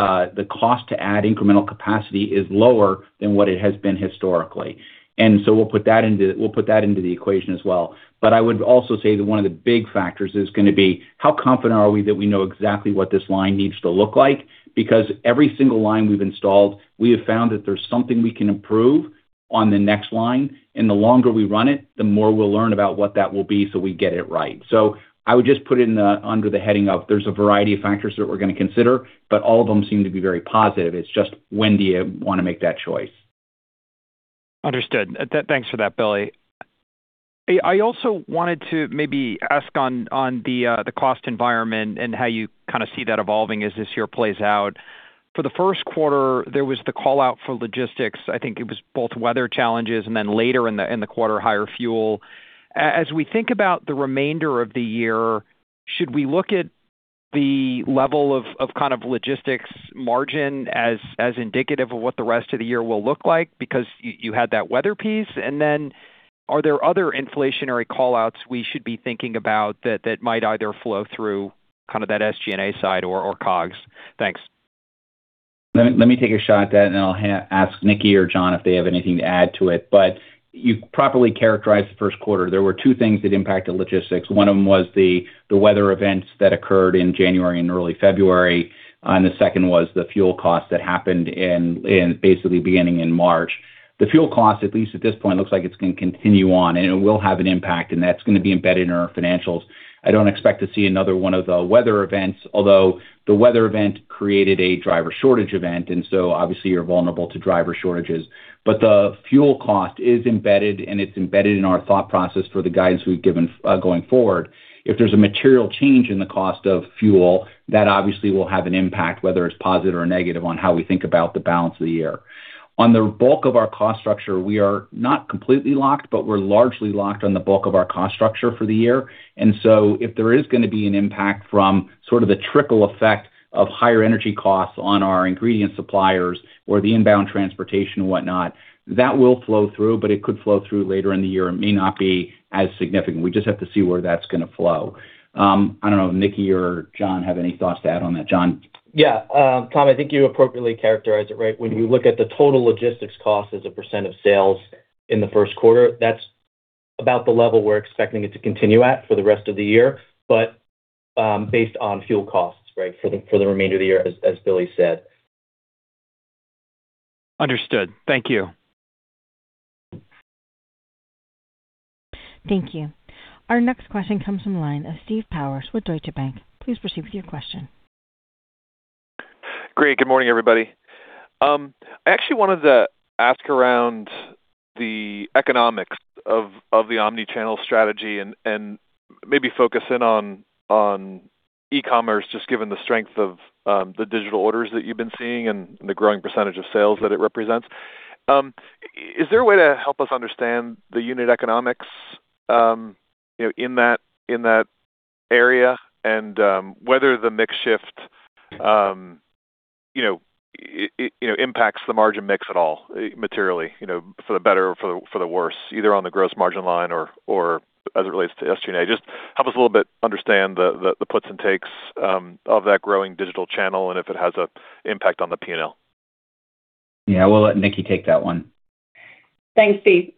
cost to add incremental capacity is lower than what it has been historically. We'll put that into the equation as well. I would also say that one of the big factors is going to be how confident are we that we know exactly what this line needs to look like? Every single line we've installed, we have found that there's something we can improve on the next line. The longer we run it, the more we'll learn about what that will be so we get it right. I would just put it under the heading of there's a variety of factors that we're gonna consider, but all of them seem to be very positive. It's just when do you wanna make that choice.
Understood. Thanks for that, Billy. I also wanted to maybe ask on the cost environment and how you kind of see that evolving as this year plays out. For the first quarter, there was the call-out for logistics. I think it was both weather challenges and then later in the quarter, higher fuel. As we think about the remainder of the year, should we look at the level of kind of logistics margin as indicative of what the rest of the year will look like because you had that weather piece? Are there other inflationary call-outs we should be thinking about that might either flow through kind of that SG&A side or COGS? Thanks.
Let me take a shot at that. Then I'll ask Nicki or John if they have anything to add to it. You properly characterized the first quarter. There were two things that impacted logistics. One of them was the weather events that occurred in January and early February. The second was the fuel costs that happened in basically beginning in March. The fuel cost, at least at this point, looks like it's gonna continue on, and it will have an impact, and that's gonna be embedded in our financials. I don't expect to see another one of the weather events, although the weather event created a driver shortage event. Obviously, you're vulnerable to driver shortages. The fuel cost is embedded, and it's embedded in our thought process for the guidance we've given going forward. If there's a material change in the cost of fuel, that obviously will have an impact, whether it's positive or negative, on how we think about the balance of the year. On the bulk of our cost structure, we are not completely locked, but we're largely locked on the bulk of our cost structure for the year. If there is gonna be an impact from sort of the trickle effect of higher energy costs on our ingredient suppliers or the inbound transportation and whatnot, that will flow through, but it could flow through later in the year and may not be as significant. We just have to see where that's gonna flow. I don't know if Nicki or John have any thoughts to add on that. John?
Tom, I think you appropriately characterized it, right? When you look at the total logistics cost as a percentage of sales in the first quarter, that's about the level we're expecting it to continue at for the rest of the year, based on fuel costs, right, for the remainder of the year, as Billy said.
Understood. Thank you.
Thank you. Our next question comes from the line of Steve Powers with Deutsche Bank. Please proceed with your question.
Great. Good morning, everybody. I actually wanted to ask around the economics of the omnichannel strategy and maybe focus in on e-commerce, just given the strength of the digital orders that you've been seeing and the growing percentage of sales that it represents. Is there a way to help us understand the unit economics, you know, in that, in that area and, whether the mix shift, you know, it, you know, impacts the margin mix at all, materially, you know, for the better or for the, for the worse, either on the gross margin line or as it relates to SG&A? Just help us a little bit understand the puts and takes of that growing digital channel and if it has an impact on the P&L.
Yeah. We'll let Nicki take that one.
Thanks, Steve.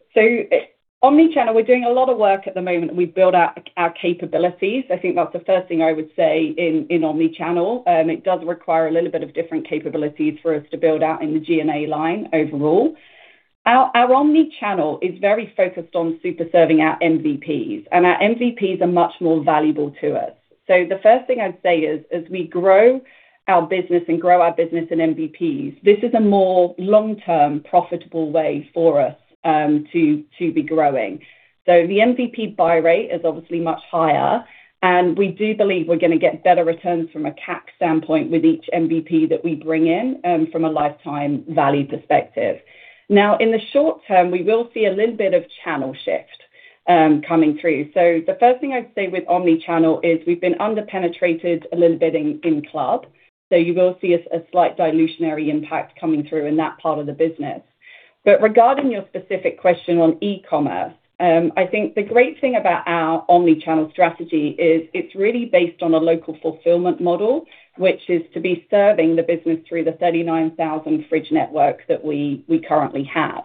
Omnichannel, we're doing a lot of work at the moment. We build out our capabilities. I think that's the first thing I would say in omnichannel. It does require a little bit of different capabilities for us to build out in the G&A line overall. Our omnichannel is very focused on super serving our MVPs, and our MVPs are much more valuable to us. The first thing I'd say is, as we grow our business and grow our business in MVPs, this is a more long-term profitable way for us to be growing. The MVP buy rate is obviously much higher, and we do believe we're gonna get better returns from a CAC standpoint with each MVP that we bring in from a lifetime value perspective. In the short term, we will see a little bit of channel shift coming through. The first thing I'd say with omnichannel is we've been under-penetrated a little bit in club, you will see a slight dilutionary impact coming through in that part of the business. Regarding your specific question on e-commerce, I think the great thing about our omnichannel strategy is it's really based on a local fulfillment model, which is to be serving the business through the 39,000 fridge network that we currently have.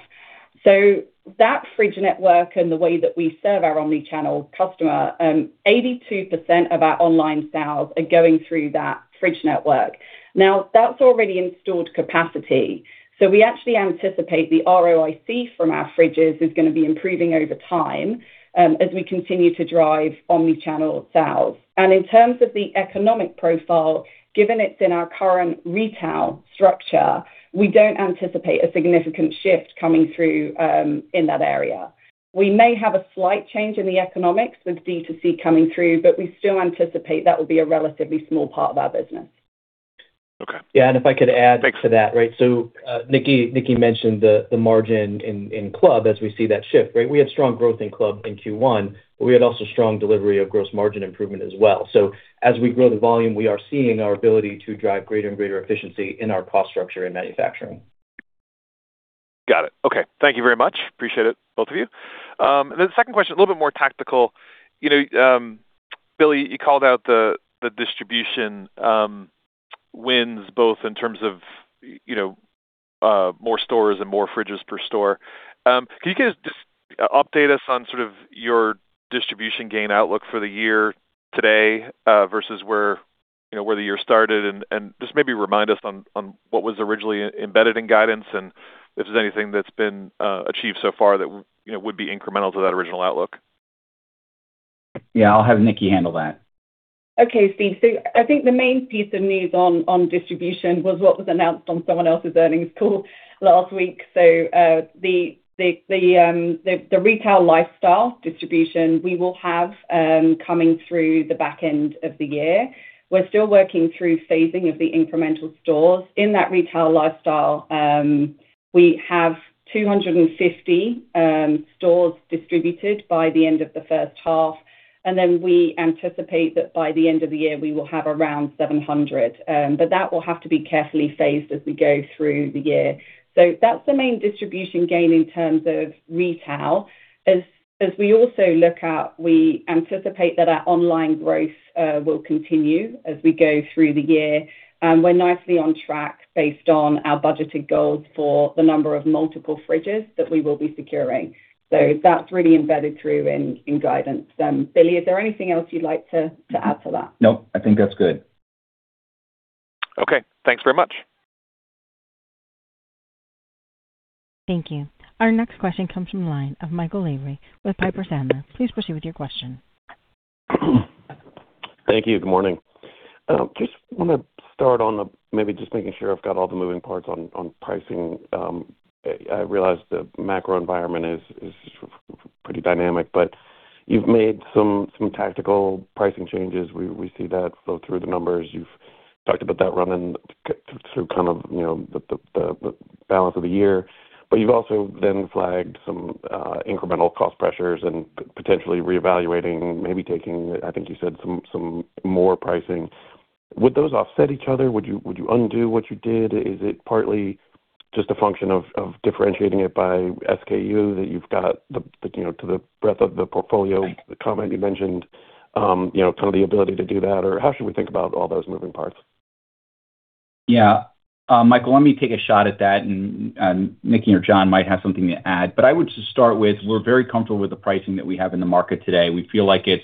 That fridge network and the way that we serve our omnichannel customer, 82% of our online sales are going through that fridge network. That's already installed capacity. We actually anticipate the ROIC from our fridges is gonna be improving over time as we continue to drive omnichannel sales. In terms of the economic profile, given it's in our current retail structure, we don't anticipate a significant shift coming through in that area. We may have a slight change in the economics with D2C coming through, but we still anticipate that will be a relatively small part of our business.
Okay.
Yeah. If I could add to that. Right. Nicki mentioned the margin in club as we see that shift, right? We had strong growth in club in Q1. We had also strong delivery of gross margin improvement as well. As we grow the volume, we are seeing our ability to drive greater and greater efficiency in our cost structure and manufacturing.
Got it. Okay. Thank you very much. Appreciate it, both of you. The second question, a little bit more tactical. You know, Billy, you called out the distribution wins both in terms of, you know, more stores and more fridges per store. Can you guys just update us on sort of your distribution gain outlook for the year today, versus where, you know, where the year started? Just maybe remind us on what was originally embedded in guidance, and if there's anything that's been achieved so far that, you know, would be incremental to that original outlook?
Yeah, I'll have Nicki handle that.
Okay, Steve. I think the main piece of news on distribution was what was announced on someone else's earnings call last week. The retail lifestyle distribution we will have coming through the back end of the year. We're still working through phasing of the incremental stores. In that retail lifestyle, we have 250 stores distributed by the end of the first half, and then we anticipate that by the end of the year, we will have around 700. That will have to be carefully phased as we go through the year. That's the main distribution gain in terms of retail. As we also look out, we anticipate that our online growth will continue as we go through the year. We're nicely on track based on our budgeted goals for the number of multiple fridges that we will be securing. That's really embedded through in guidance. Billy, is there anything else you'd like to add to that?
No, I think that's good.
Okay. Thanks very much.
Thank you. Our next question comes from the line of Michael Lavery with Piper Sandler. Please proceed with your question.
Thank you. Good morning. Just wanna start making sure I've got all the moving parts on pricing. I realize the macro environment is pretty dynamic, you've made some tactical pricing changes. We see that flow through the numbers. You've talked about that running through kind of, you know, the balance of the year. You've also then flagged some incremental cost pressures and potentially reevaluating, maybe taking, I think you said, some more pricing. Would those offset each other? Would you undo what you did? Is it partly just a function of differentiating it by SKU that you've got the, you know, to the breadth of the portfolio, the comment you mentioned, you know, kind of the ability to do that? How should we think about all those moving parts?
Michael, let me take a shot at that, and Nicki or John might have something to add. I would just start with, we're very comfortable with the pricing that we have in the market today. We feel like it's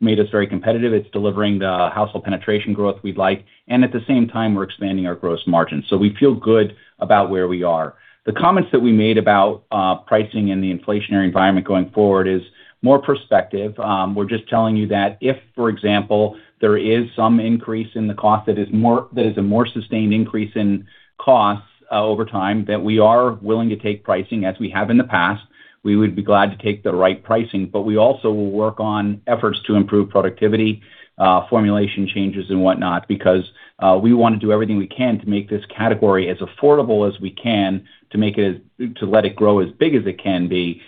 made us very competitive. It's delivering the household penetration growth we'd like, and at the same time, we're expanding our gross margin. We feel good about where we are. The comments that we made about pricing in the inflationary environment going forward is more perspective. We're just telling you that if, for example, there is some increase in the cost that is a more sustained increase in costs over time, that we are willing to take pricing as we have in the past. We would be glad to take the right pricing, but we also will work on efforts to improve productivity, formulation changes and whatnot because we wanna do everything we can to make this category as affordable as we can to let it grow as big as it can be.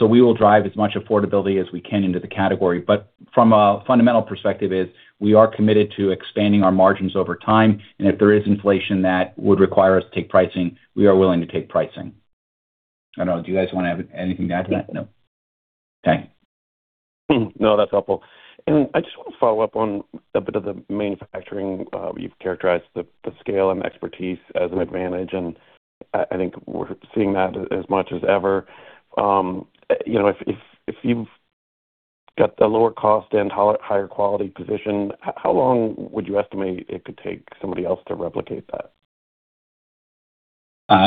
We will drive as much affordability as we can into the category. From a fundamental perspective is, we are committed to expanding our margins over time, and if there is inflation that would require us to take pricing, we are willing to take pricing. I don't know, do you guys wanna have anything to add to that? No? Okay.
No, that's helpful. I just wanna follow up on a bit of the manufacturing. You've characterized the scale and expertise as an advantage, I think we're seeing that as much as ever. You know, if you've got the lower cost and higher quality position, how long would you estimate it could take somebody else to replicate that?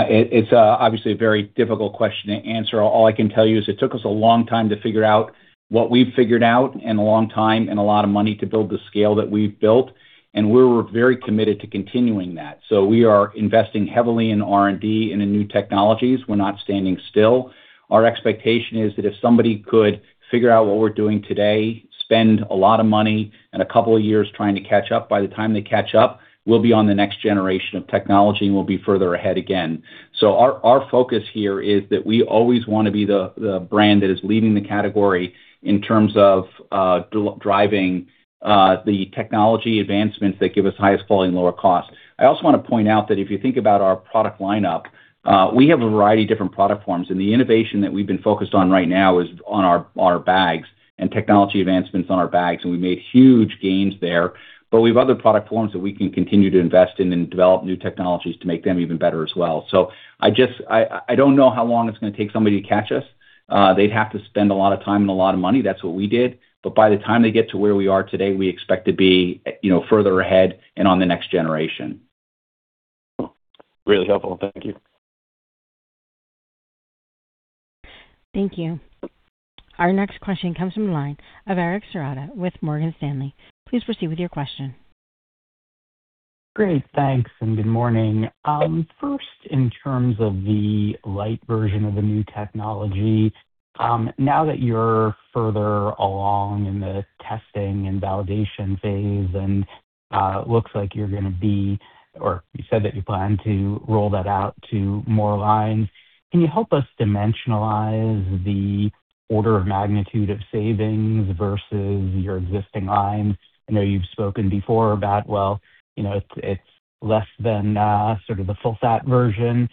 It's obviously a very difficult question to answer. All I can tell you is it took us a long time to figure out what we've figured out and a long time and a lot of money to build the scale that we've built, and we're very committed to continuing that. We are investing heavily in R&D and in new technologies. We're not standing still. Our expectation is that if somebody could figure out what we're doing today, spend a lot of money and a couple of years trying to catch up. By the time they catch up, we'll be on the next generation of technology, and we'll be further ahead again. Our focus here is that we always wanna be the brand that is leading the category in terms of driving the technology advancements that give us highest quality and lower cost. I also wanna point out that if you think about our product lineup, we have a variety of different product forms, and the innovation that we've been focused on right now is on our bags and technology advancements on our bags, and we made huge gains there. We have other product forms that we can continue to invest in and develop new technologies to make them even better as well. I don't know how long it's gonna take somebody to catch us. They'd have to spend a lot of time and a lot of money. That's what we did. By the time they get to where we are today, we expect to be, you know, further ahead and on the next generation.
Cool. Really helpful. Thank you.
Thank you. Our next question comes from the line of Eric Serotta with Morgan Stanley. Please proceed with your question.
Great. Thanks, and good morning. First, in terms of the light version of the new technology, now that you're further along in the testing and validation phase, and looks like you said that you plan to roll that out to more lines, can you help us dimensionalize the order of magnitude of savings versus your existing lines? I know you've spoken before about, well, you know, it's less than, sort of the full fat version,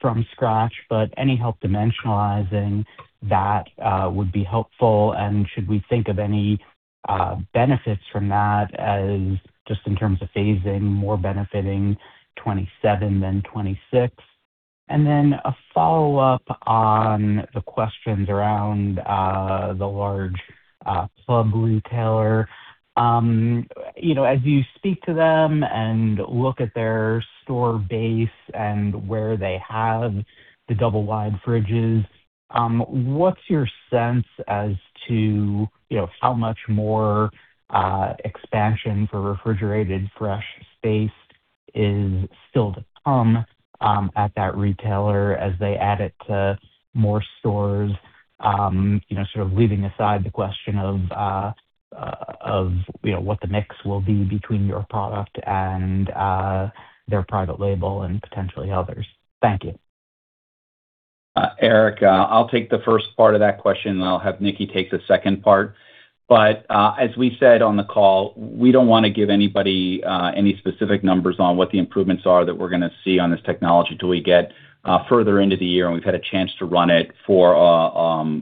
from scratch, but any help dimensionalizing that, would be helpful. Should we think of any, benefits from that as just in terms of phasing more benefiting 2027 than 2026? Then a follow-up on the questions around, the large, club retailer. You know, as you speak to them and look at their store base and where they have the double wide fridges, what's your sense as to, you know, how much more expansion for refrigerated fresh space is still to come at that retailer as they add it to more stores? You know, sort of leaving aside the question of, you know, what the mix will be between your product and their private label and potentially others. Thank you.
Eric, I'll take the first part of that question, and I'll have Nicki take the second part. As we said on the call, we don't wanna give anybody any specific numbers on what the improvements are that we're gonna see on this technology till we get further into the year and we've had a chance to run it for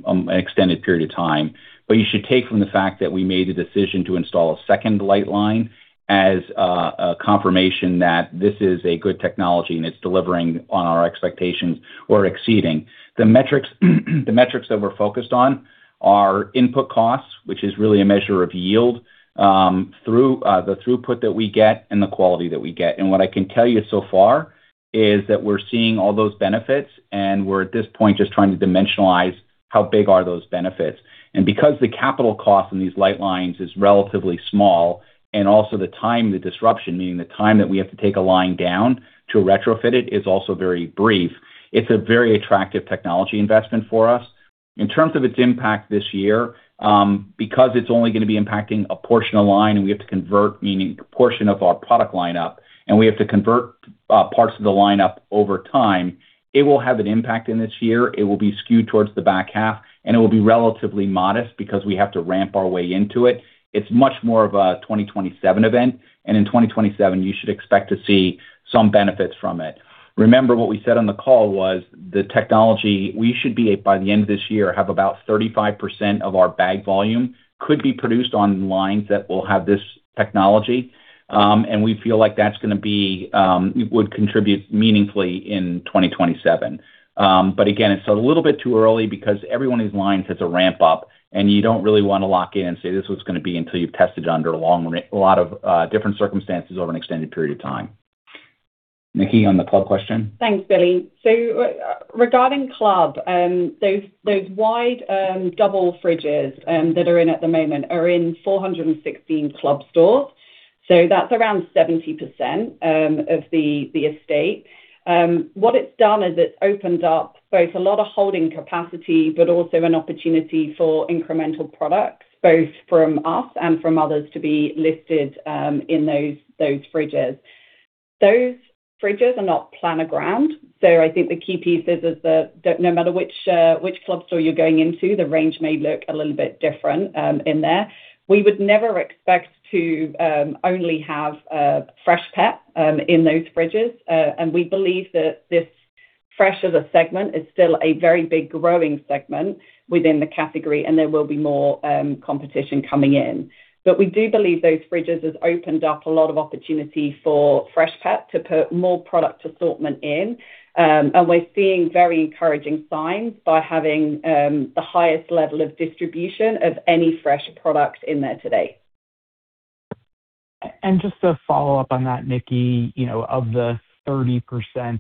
an extended period of time. You should take from the fact that we made the decision to install a second light line as a confirmation that this is a good technology, and it's delivering on our expectations or exceeding. The metrics that we're focused on are input costs, which is really a measure of yield, through the throughput that we get and the quality that we get. What I can tell you so far is that we're seeing all those benefits, and we're at this point just trying to dimensionalize how big are those benefits. Because the capital cost in these light lines is relatively small and also the time, the disruption, meaning the time that we have to take a line down to retrofit it, is also very brief, it's a very attractive technology investment for us. In terms of its impact this year, because it's only gonna be impacting a portion of line, and we have to convert, meaning a portion of our product lineup, and we have to convert, parts of the lineup over time. It will have an impact in this year. It will be skewed towards the back half, and it will be relatively modest because we have to ramp our way into it. It's much more of a 2027 event, and in 2027, you should expect to see some benefits from it. Remember what we said on the call was the technology we should be, by the end of this year, have about 35% of our bag volume could be produced on lines that will have this technology. We feel like that's gonna be, would contribute meaningfully in 2027. Again, it's a little bit too early because every one of these lines has a ramp-up, and you don't really wanna lock in and say, "This is what it's gonna be," until you've tested it under a long a lot of different circumstances over an extended period of time. Nicki, on the club question.
Thanks, Billy. Regarding club, those wide double fridges that are in at the moment are in 416 club stores. That's around 70% of the estate. What it's done is it's opened up both a lot of holding capacity, but also an opportunity for incremental products, both from us and from others to be listed in those fridges. Those fridges are not planogrammed, so I think the key pieces is that no matter which club store you're going into, the range may look a little bit different in there. We would never expect to only have Freshpet in those fridges. We believe that this fresh as a segment is still a very big growing segment within the category, and there will be more competition coming in. We do believe those fridges have opened up a lot of opportunity for Freshpet to put more product assortment in. We're seeing very encouraging signs by having the highest level of distribution of any fresh product in there to date.
Just to follow up on that, Nicki, you know, of the 30%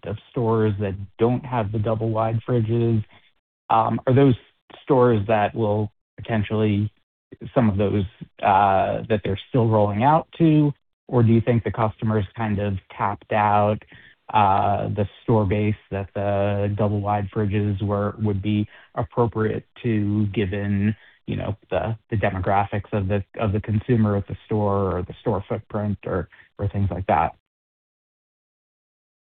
of stores that don't have the double wide fridges, are those stores that will some of those, that they're still rolling out to? Or do you think the customers kind of tapped out, the store base that the double wide fridges would be appropriate to given, you know, the demographics of the consumer at the store or the store footprint or things like that?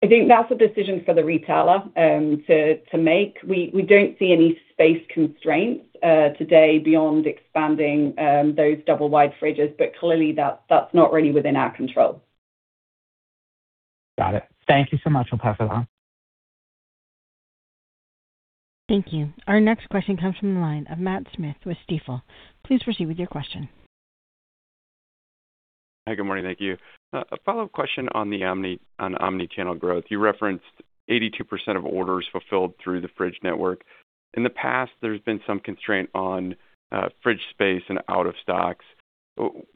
I think that's a decision for the retailer, to make. We don't see any space constraints today beyond expanding those double wide fridges, but clearly that's not really within our control.
Got it. Thank you so much. I'll pass it on.
Thank you. Our next question comes from the line of Matthew Smith with Stifel. Please proceed with your question.
Hi. Good morning. Thank you. A follow-up question on omnichannel growth. You referenced 82% of orders fulfilled through the fridge network. In the past, there's been some constraint on fridge space and out of stocks.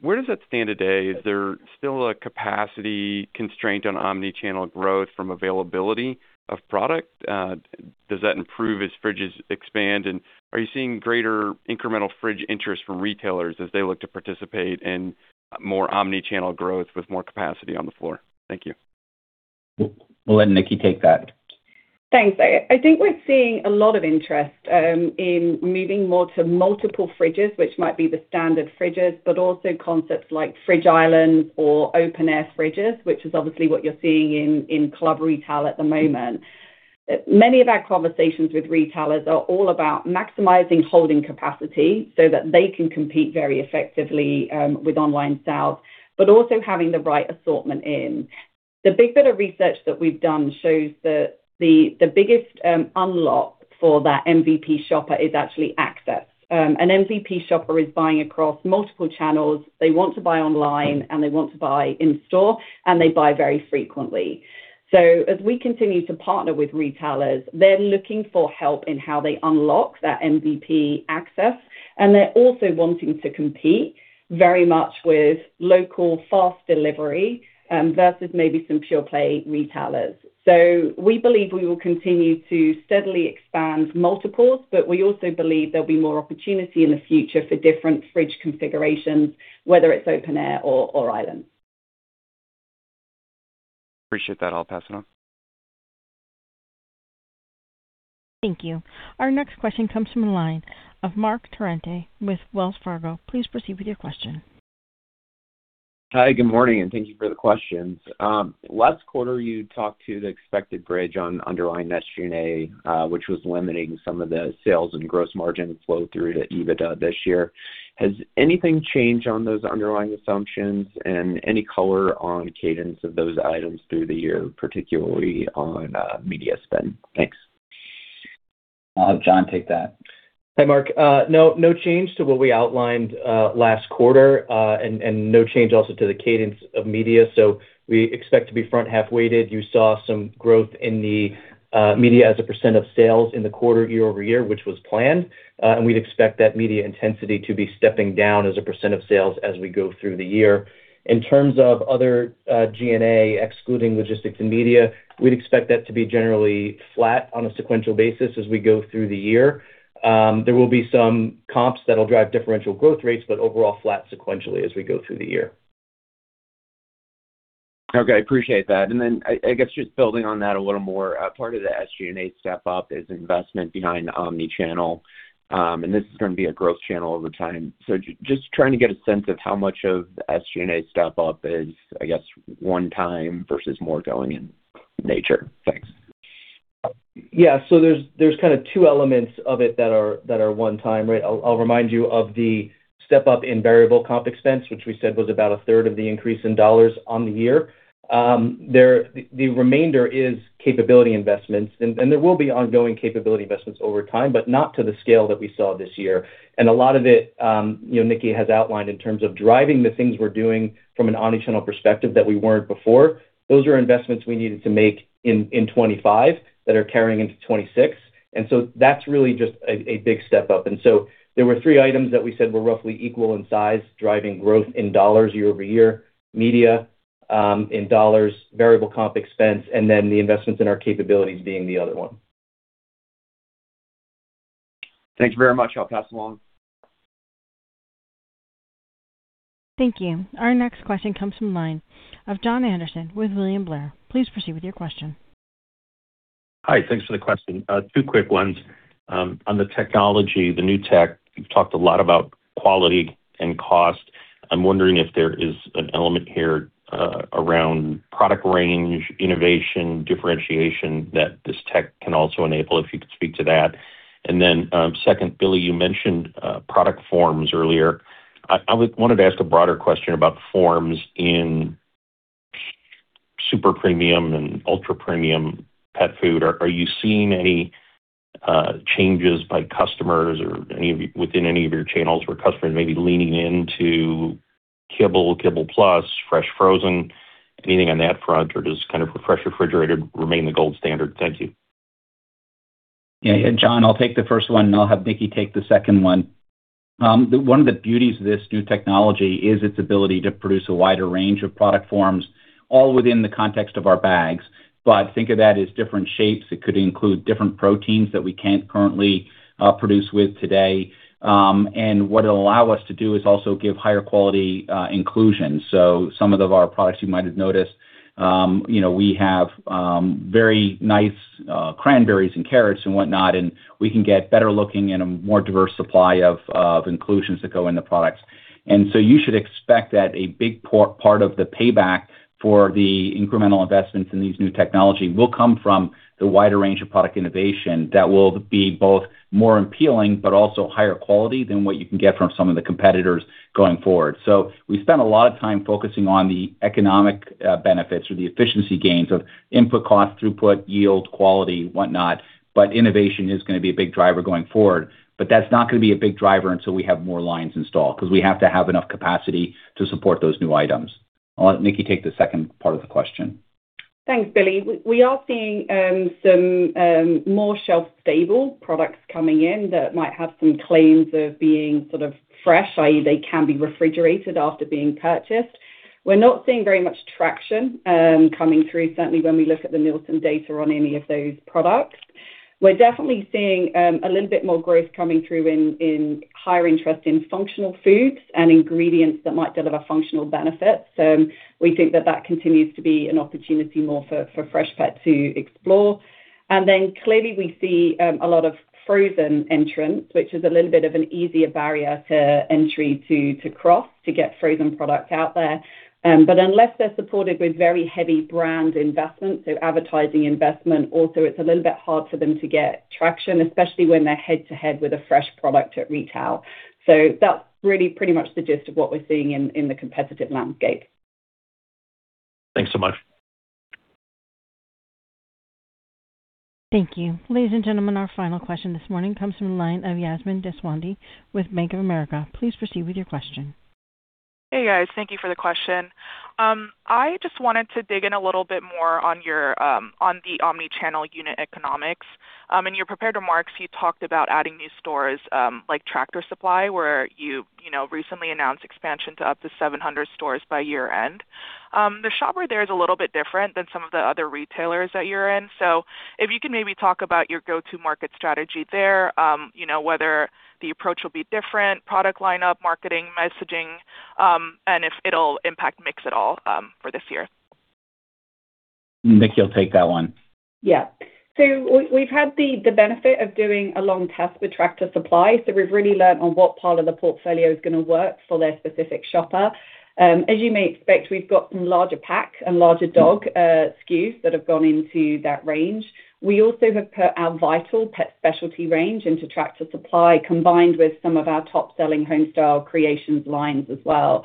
Where does that stand today? Is there still a capacity constraint on omnichannel growth from availability of product? Does that improve as fridges expand? Are you seeing greater incremental fridge interest from retailers as they look to participate in more omnichannel growth with more capacity on the floor? Thank you.
We'll let Nicki take that.
Thanks. I think we're seeing a lot of interest in moving more to multiple fridges, which might be the standard fridges, also concepts like fridge islands or open air fridges, which is obviously what you're seeing in club retail at the moment. Many of our conversations with retailers are all about maximizing holding capacity so that they can compete very effectively with online sales, also having the right assortment in. The big bit of research that we've done shows that the biggest unlock for that MVP shopper is actually access. An MVP shopper is buying across multiple channels. They want to buy online, and they want to buy in store, and they buy very frequently. As we continue to partner with retailers, they're looking for help in how they unlock that MVP access. They're also wanting to compete very much with local fast delivery versus maybe some pure play retailers. We believe we will continue to steadily expand multiples, but we also believe there'll be more opportunity in the future for different fridge configurations, whether it's open air or islands.
Appreciate that. I'll pass it on.
Thank you. Our next question comes from the line of Marc Torrente with Wells Fargo. Please proceed with your question.
Hi, good morning, and thank you for the questions. Last quarter, you talked to the expected bridge on underlying net G&A, which was limiting some of the sales and gross margin flow through to EBITDA this year. Has anything changed on those underlying assumptions? Any color on cadence of those items through the year, particularly on media spend? Thanks.
I'll have John take that.
Hey, Marc. No, no change to what we outlined last quarter, and no change also to the cadence of media. We expect to be front half-weighted. You saw some growth in the media as a percentage of sales in the quarter year-over-year, which was planned. We'd expect that media intensity to be stepping down as a percentage of sales as we go through the year. In terms of other G&A, excluding logistics and media, we'd expect that to be generally flat on a sequential basis as we go through the year. There will be some comps that'll drive differential growth rates, but overall flat sequentially as we go through the year.
Okay. Appreciate that. Then I guess just building on that a little more, part of the SG&A step up is investment behind omnichannel. This is gonna be a growth channel over time. Just trying to get a sense of how much of the SG&A step up is, I guess, one-time versus more going in nature. Thanks.
There's kind of two elements of it that are one time, right? I'll remind you of the step-up in variable comp expense, which we said was about a third of the increase in dollars on the year. The remainder is capability investments, and there will be ongoing capability investments over time, but not to the scale that we saw this year. A lot of it, you know, Nicki has outlined in terms of driving the things we're doing from an omnichannel perspective that we weren't before. Those are investments we needed to make in 2025 that are carrying into 2026. That's really just a big step up. There were three items that we said were roughly equal in size, driving growth in dollars year-over-year, media, in dollars, variable comp expense, and then the investments in our capabilities being the other one.
Thanks very much. I'll pass along.
Thank you. Our next question comes from line of Jon Andersen with William Blair. Please proceed with your question.
Hi. Thanks for the question. Two quick ones. On the technology, the new tech, you've talked a lot about quality and cost. I'm wondering if there is an element here, around product range, innovation, differentiation that this tech can also enable, if you could speak to that. Then, second, Billy, you mentioned product forms earlier. I wanted to ask a broader question about forms in super premium and ultra premium pet food. Are you seeing any changes by customers or within any of your channels where customers may be leaning into kibble plus, fresh frozen? Anything on that front or does kind of Freshpet refrigerated remain the gold standard? Thank you.
Yeah. John, I'll take the first one, and I'll have Nicki take the second one. One of the beauties of this new technology is its ability to produce a wider range of product forms all within the context of our bags. Think of that as different shapes. It could include different proteins that we can't currently produce with today. What it'll allow us to do is also give higher quality inclusion. Some of our products you might have noticed, you know, we have very nice cranberries and carrots and whatnot, and we can get better looking and a more diverse supply of inclusions that go into products. You should expect that a big part of the payback for the incremental investments in these new technology will come from the wider range of product innovation that will be both more appealing but also higher quality than what you can get from some of the competitors going forward. We spent a lot of time focusing on the economic benefits or the efficiency gains of input cost, throughput, yield, quality, whatnot, but innovation is gonna be a big driver going forward. That's not gonna be a big driver until we have more lines installed, 'cause we have to have enough capacity to support those new items. I'll let Nicki take the second part of the question.
Thanks, Billy. We are seeing some more shelf-stable products coming in that might have some claims of being sort of fresh, i.e., they can be refrigerated after being purchased. We're not seeing very much traction coming through, certainly when we look at the Nielsen data on any of those products. We're definitely seeing a little bit more growth coming through in higher interest in functional foods and ingredients that might deliver functional benefits. We think that that continues to be an opportunity more for Freshpet to explore. Clearly we see a lot of frozen entrants, which is a little bit of an easier barrier to entry to cross, to get frozen products out there. Unless they're supported with very heavy brand investment, so advertising investment also, it's a little bit hard for them to get traction, especially when they're head-to-head with a fresh product at retail. That's really pretty much the gist of what we're seeing in the competitive landscape.
Thanks so much.
Thank you. Ladies and gentlemen, our final question this morning comes from the line of Yasmine Deswandhy with Bank of America. Please proceed with your question.
Hey, guys. Thank you for the question. I just wanted to dig in a little bit more on your on the omnichannel unit economics. In your prepared remarks, you talked about adding new stores, like Tractor Supply, where you know, recently announced expansion to up to 700 stores by year-end. The shopper there is a little bit different than some of the other retailers that you're in. If you can maybe talk about your go-to-market strategy there, you know, whether the approach will be different, product lineup, marketing, messaging, and if it'll impact mix at all for this year.
Nick, you'll take that one.
We, we've had the benefit of doing a long test with Tractor Supply, so we've really learned on what part of the portfolio is gonna work for their specific shopper. As you may expect, we've got some larger pack and larger dog SKUs that have gone into that range. We also have put our Vital pet specialty range into Tractor Supply, combined with some of our top-selling Homestyle Creations lines as well.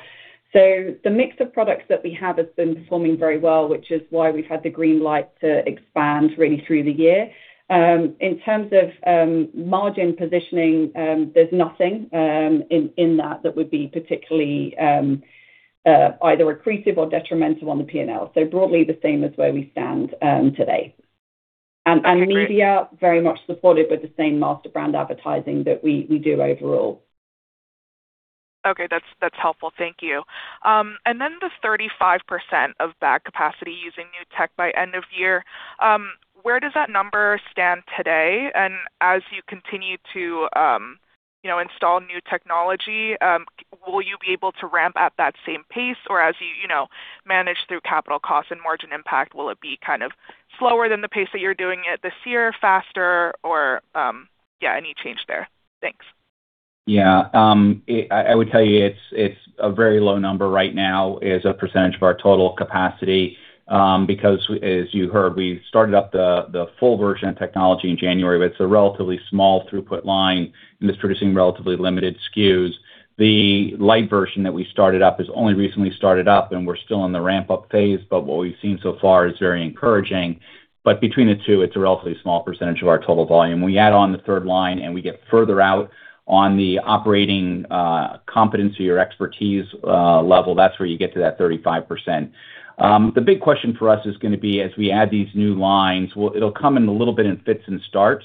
The mix of products that we have has been performing very well, which is why we've had the green light to expand really through the year. In terms of margin positioning, there's nothing in that that would be particularly either accretive or detrimental on the P&L. Broadly the same as where we stand today. Media, very much supported with the same master brand advertising that we do overall.
Okay, that's helpful. Thank you. Then the 35% of bag capacity using new tech by end of year, where does that number stand today? As you continue to install new technology, will you be able to ramp at that same pace? Or as you manage through capital costs and margin impact, will it be kind of slower than the pace that you're doing it this year, faster or, yeah, any change there? Thanks.
Yeah. I would tell you it's a very low number right now as a percentage of our total capacity, because as you heard, we started up the full version of technology in January, but it's a relatively small throughput line and it's producing relatively limited SKUs. The light version that we started up has only recently started up, and we're still in the ramp-up phase, but what we've seen so far is very encouraging. Between the two, it's a relatively small percentage of our total volume. We add on the third line, and we get further out on the operating competency or expertise level. That's where you get to that 35%. The big question for us is gonna be, as we add these new lines, it'll come in a little bit in fits and starts.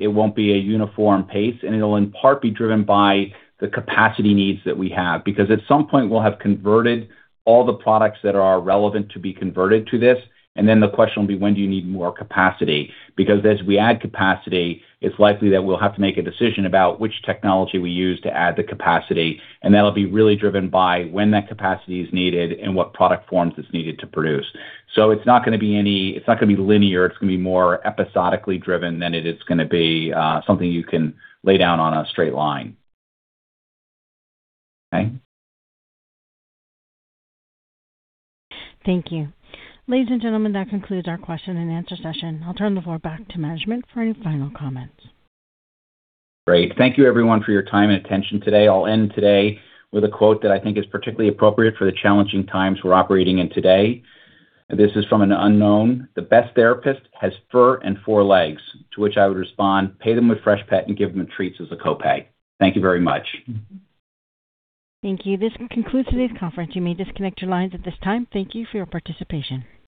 It won't be a uniform pace, and it'll in part be driven by the capacity needs that we have. At some point, we'll have converted all the products that are relevant to be converted to this, and then the question will be, when do you need more capacity? As we add capacity, it's likely that we'll have to make a decision about which technology we use to add the capacity, and that'll be really driven by when that capacity is needed and what product forms it's needed to produce. It's not gonna be linear. It's gonna be more episodically driven than it is gonna be something you can lay down on a straight line. Okay?
Thank you. Ladies and gentlemen, that concludes our question-and-answer session. I'll turn the floor back to management for any final comments.
Great. Thank you everyone for your time and attention today. I'll end today with a quote that I think is particularly appropriate for the challenging times we're operating in today. This is from an unknown: "The best therapist has fur and four legs." To which I would respond, "Pay them with Freshpet and give them treats as a copay." Thank you very much.
Thank you. This concludes today's conference. You may disconnect your lines at this time. Thank you for your participation.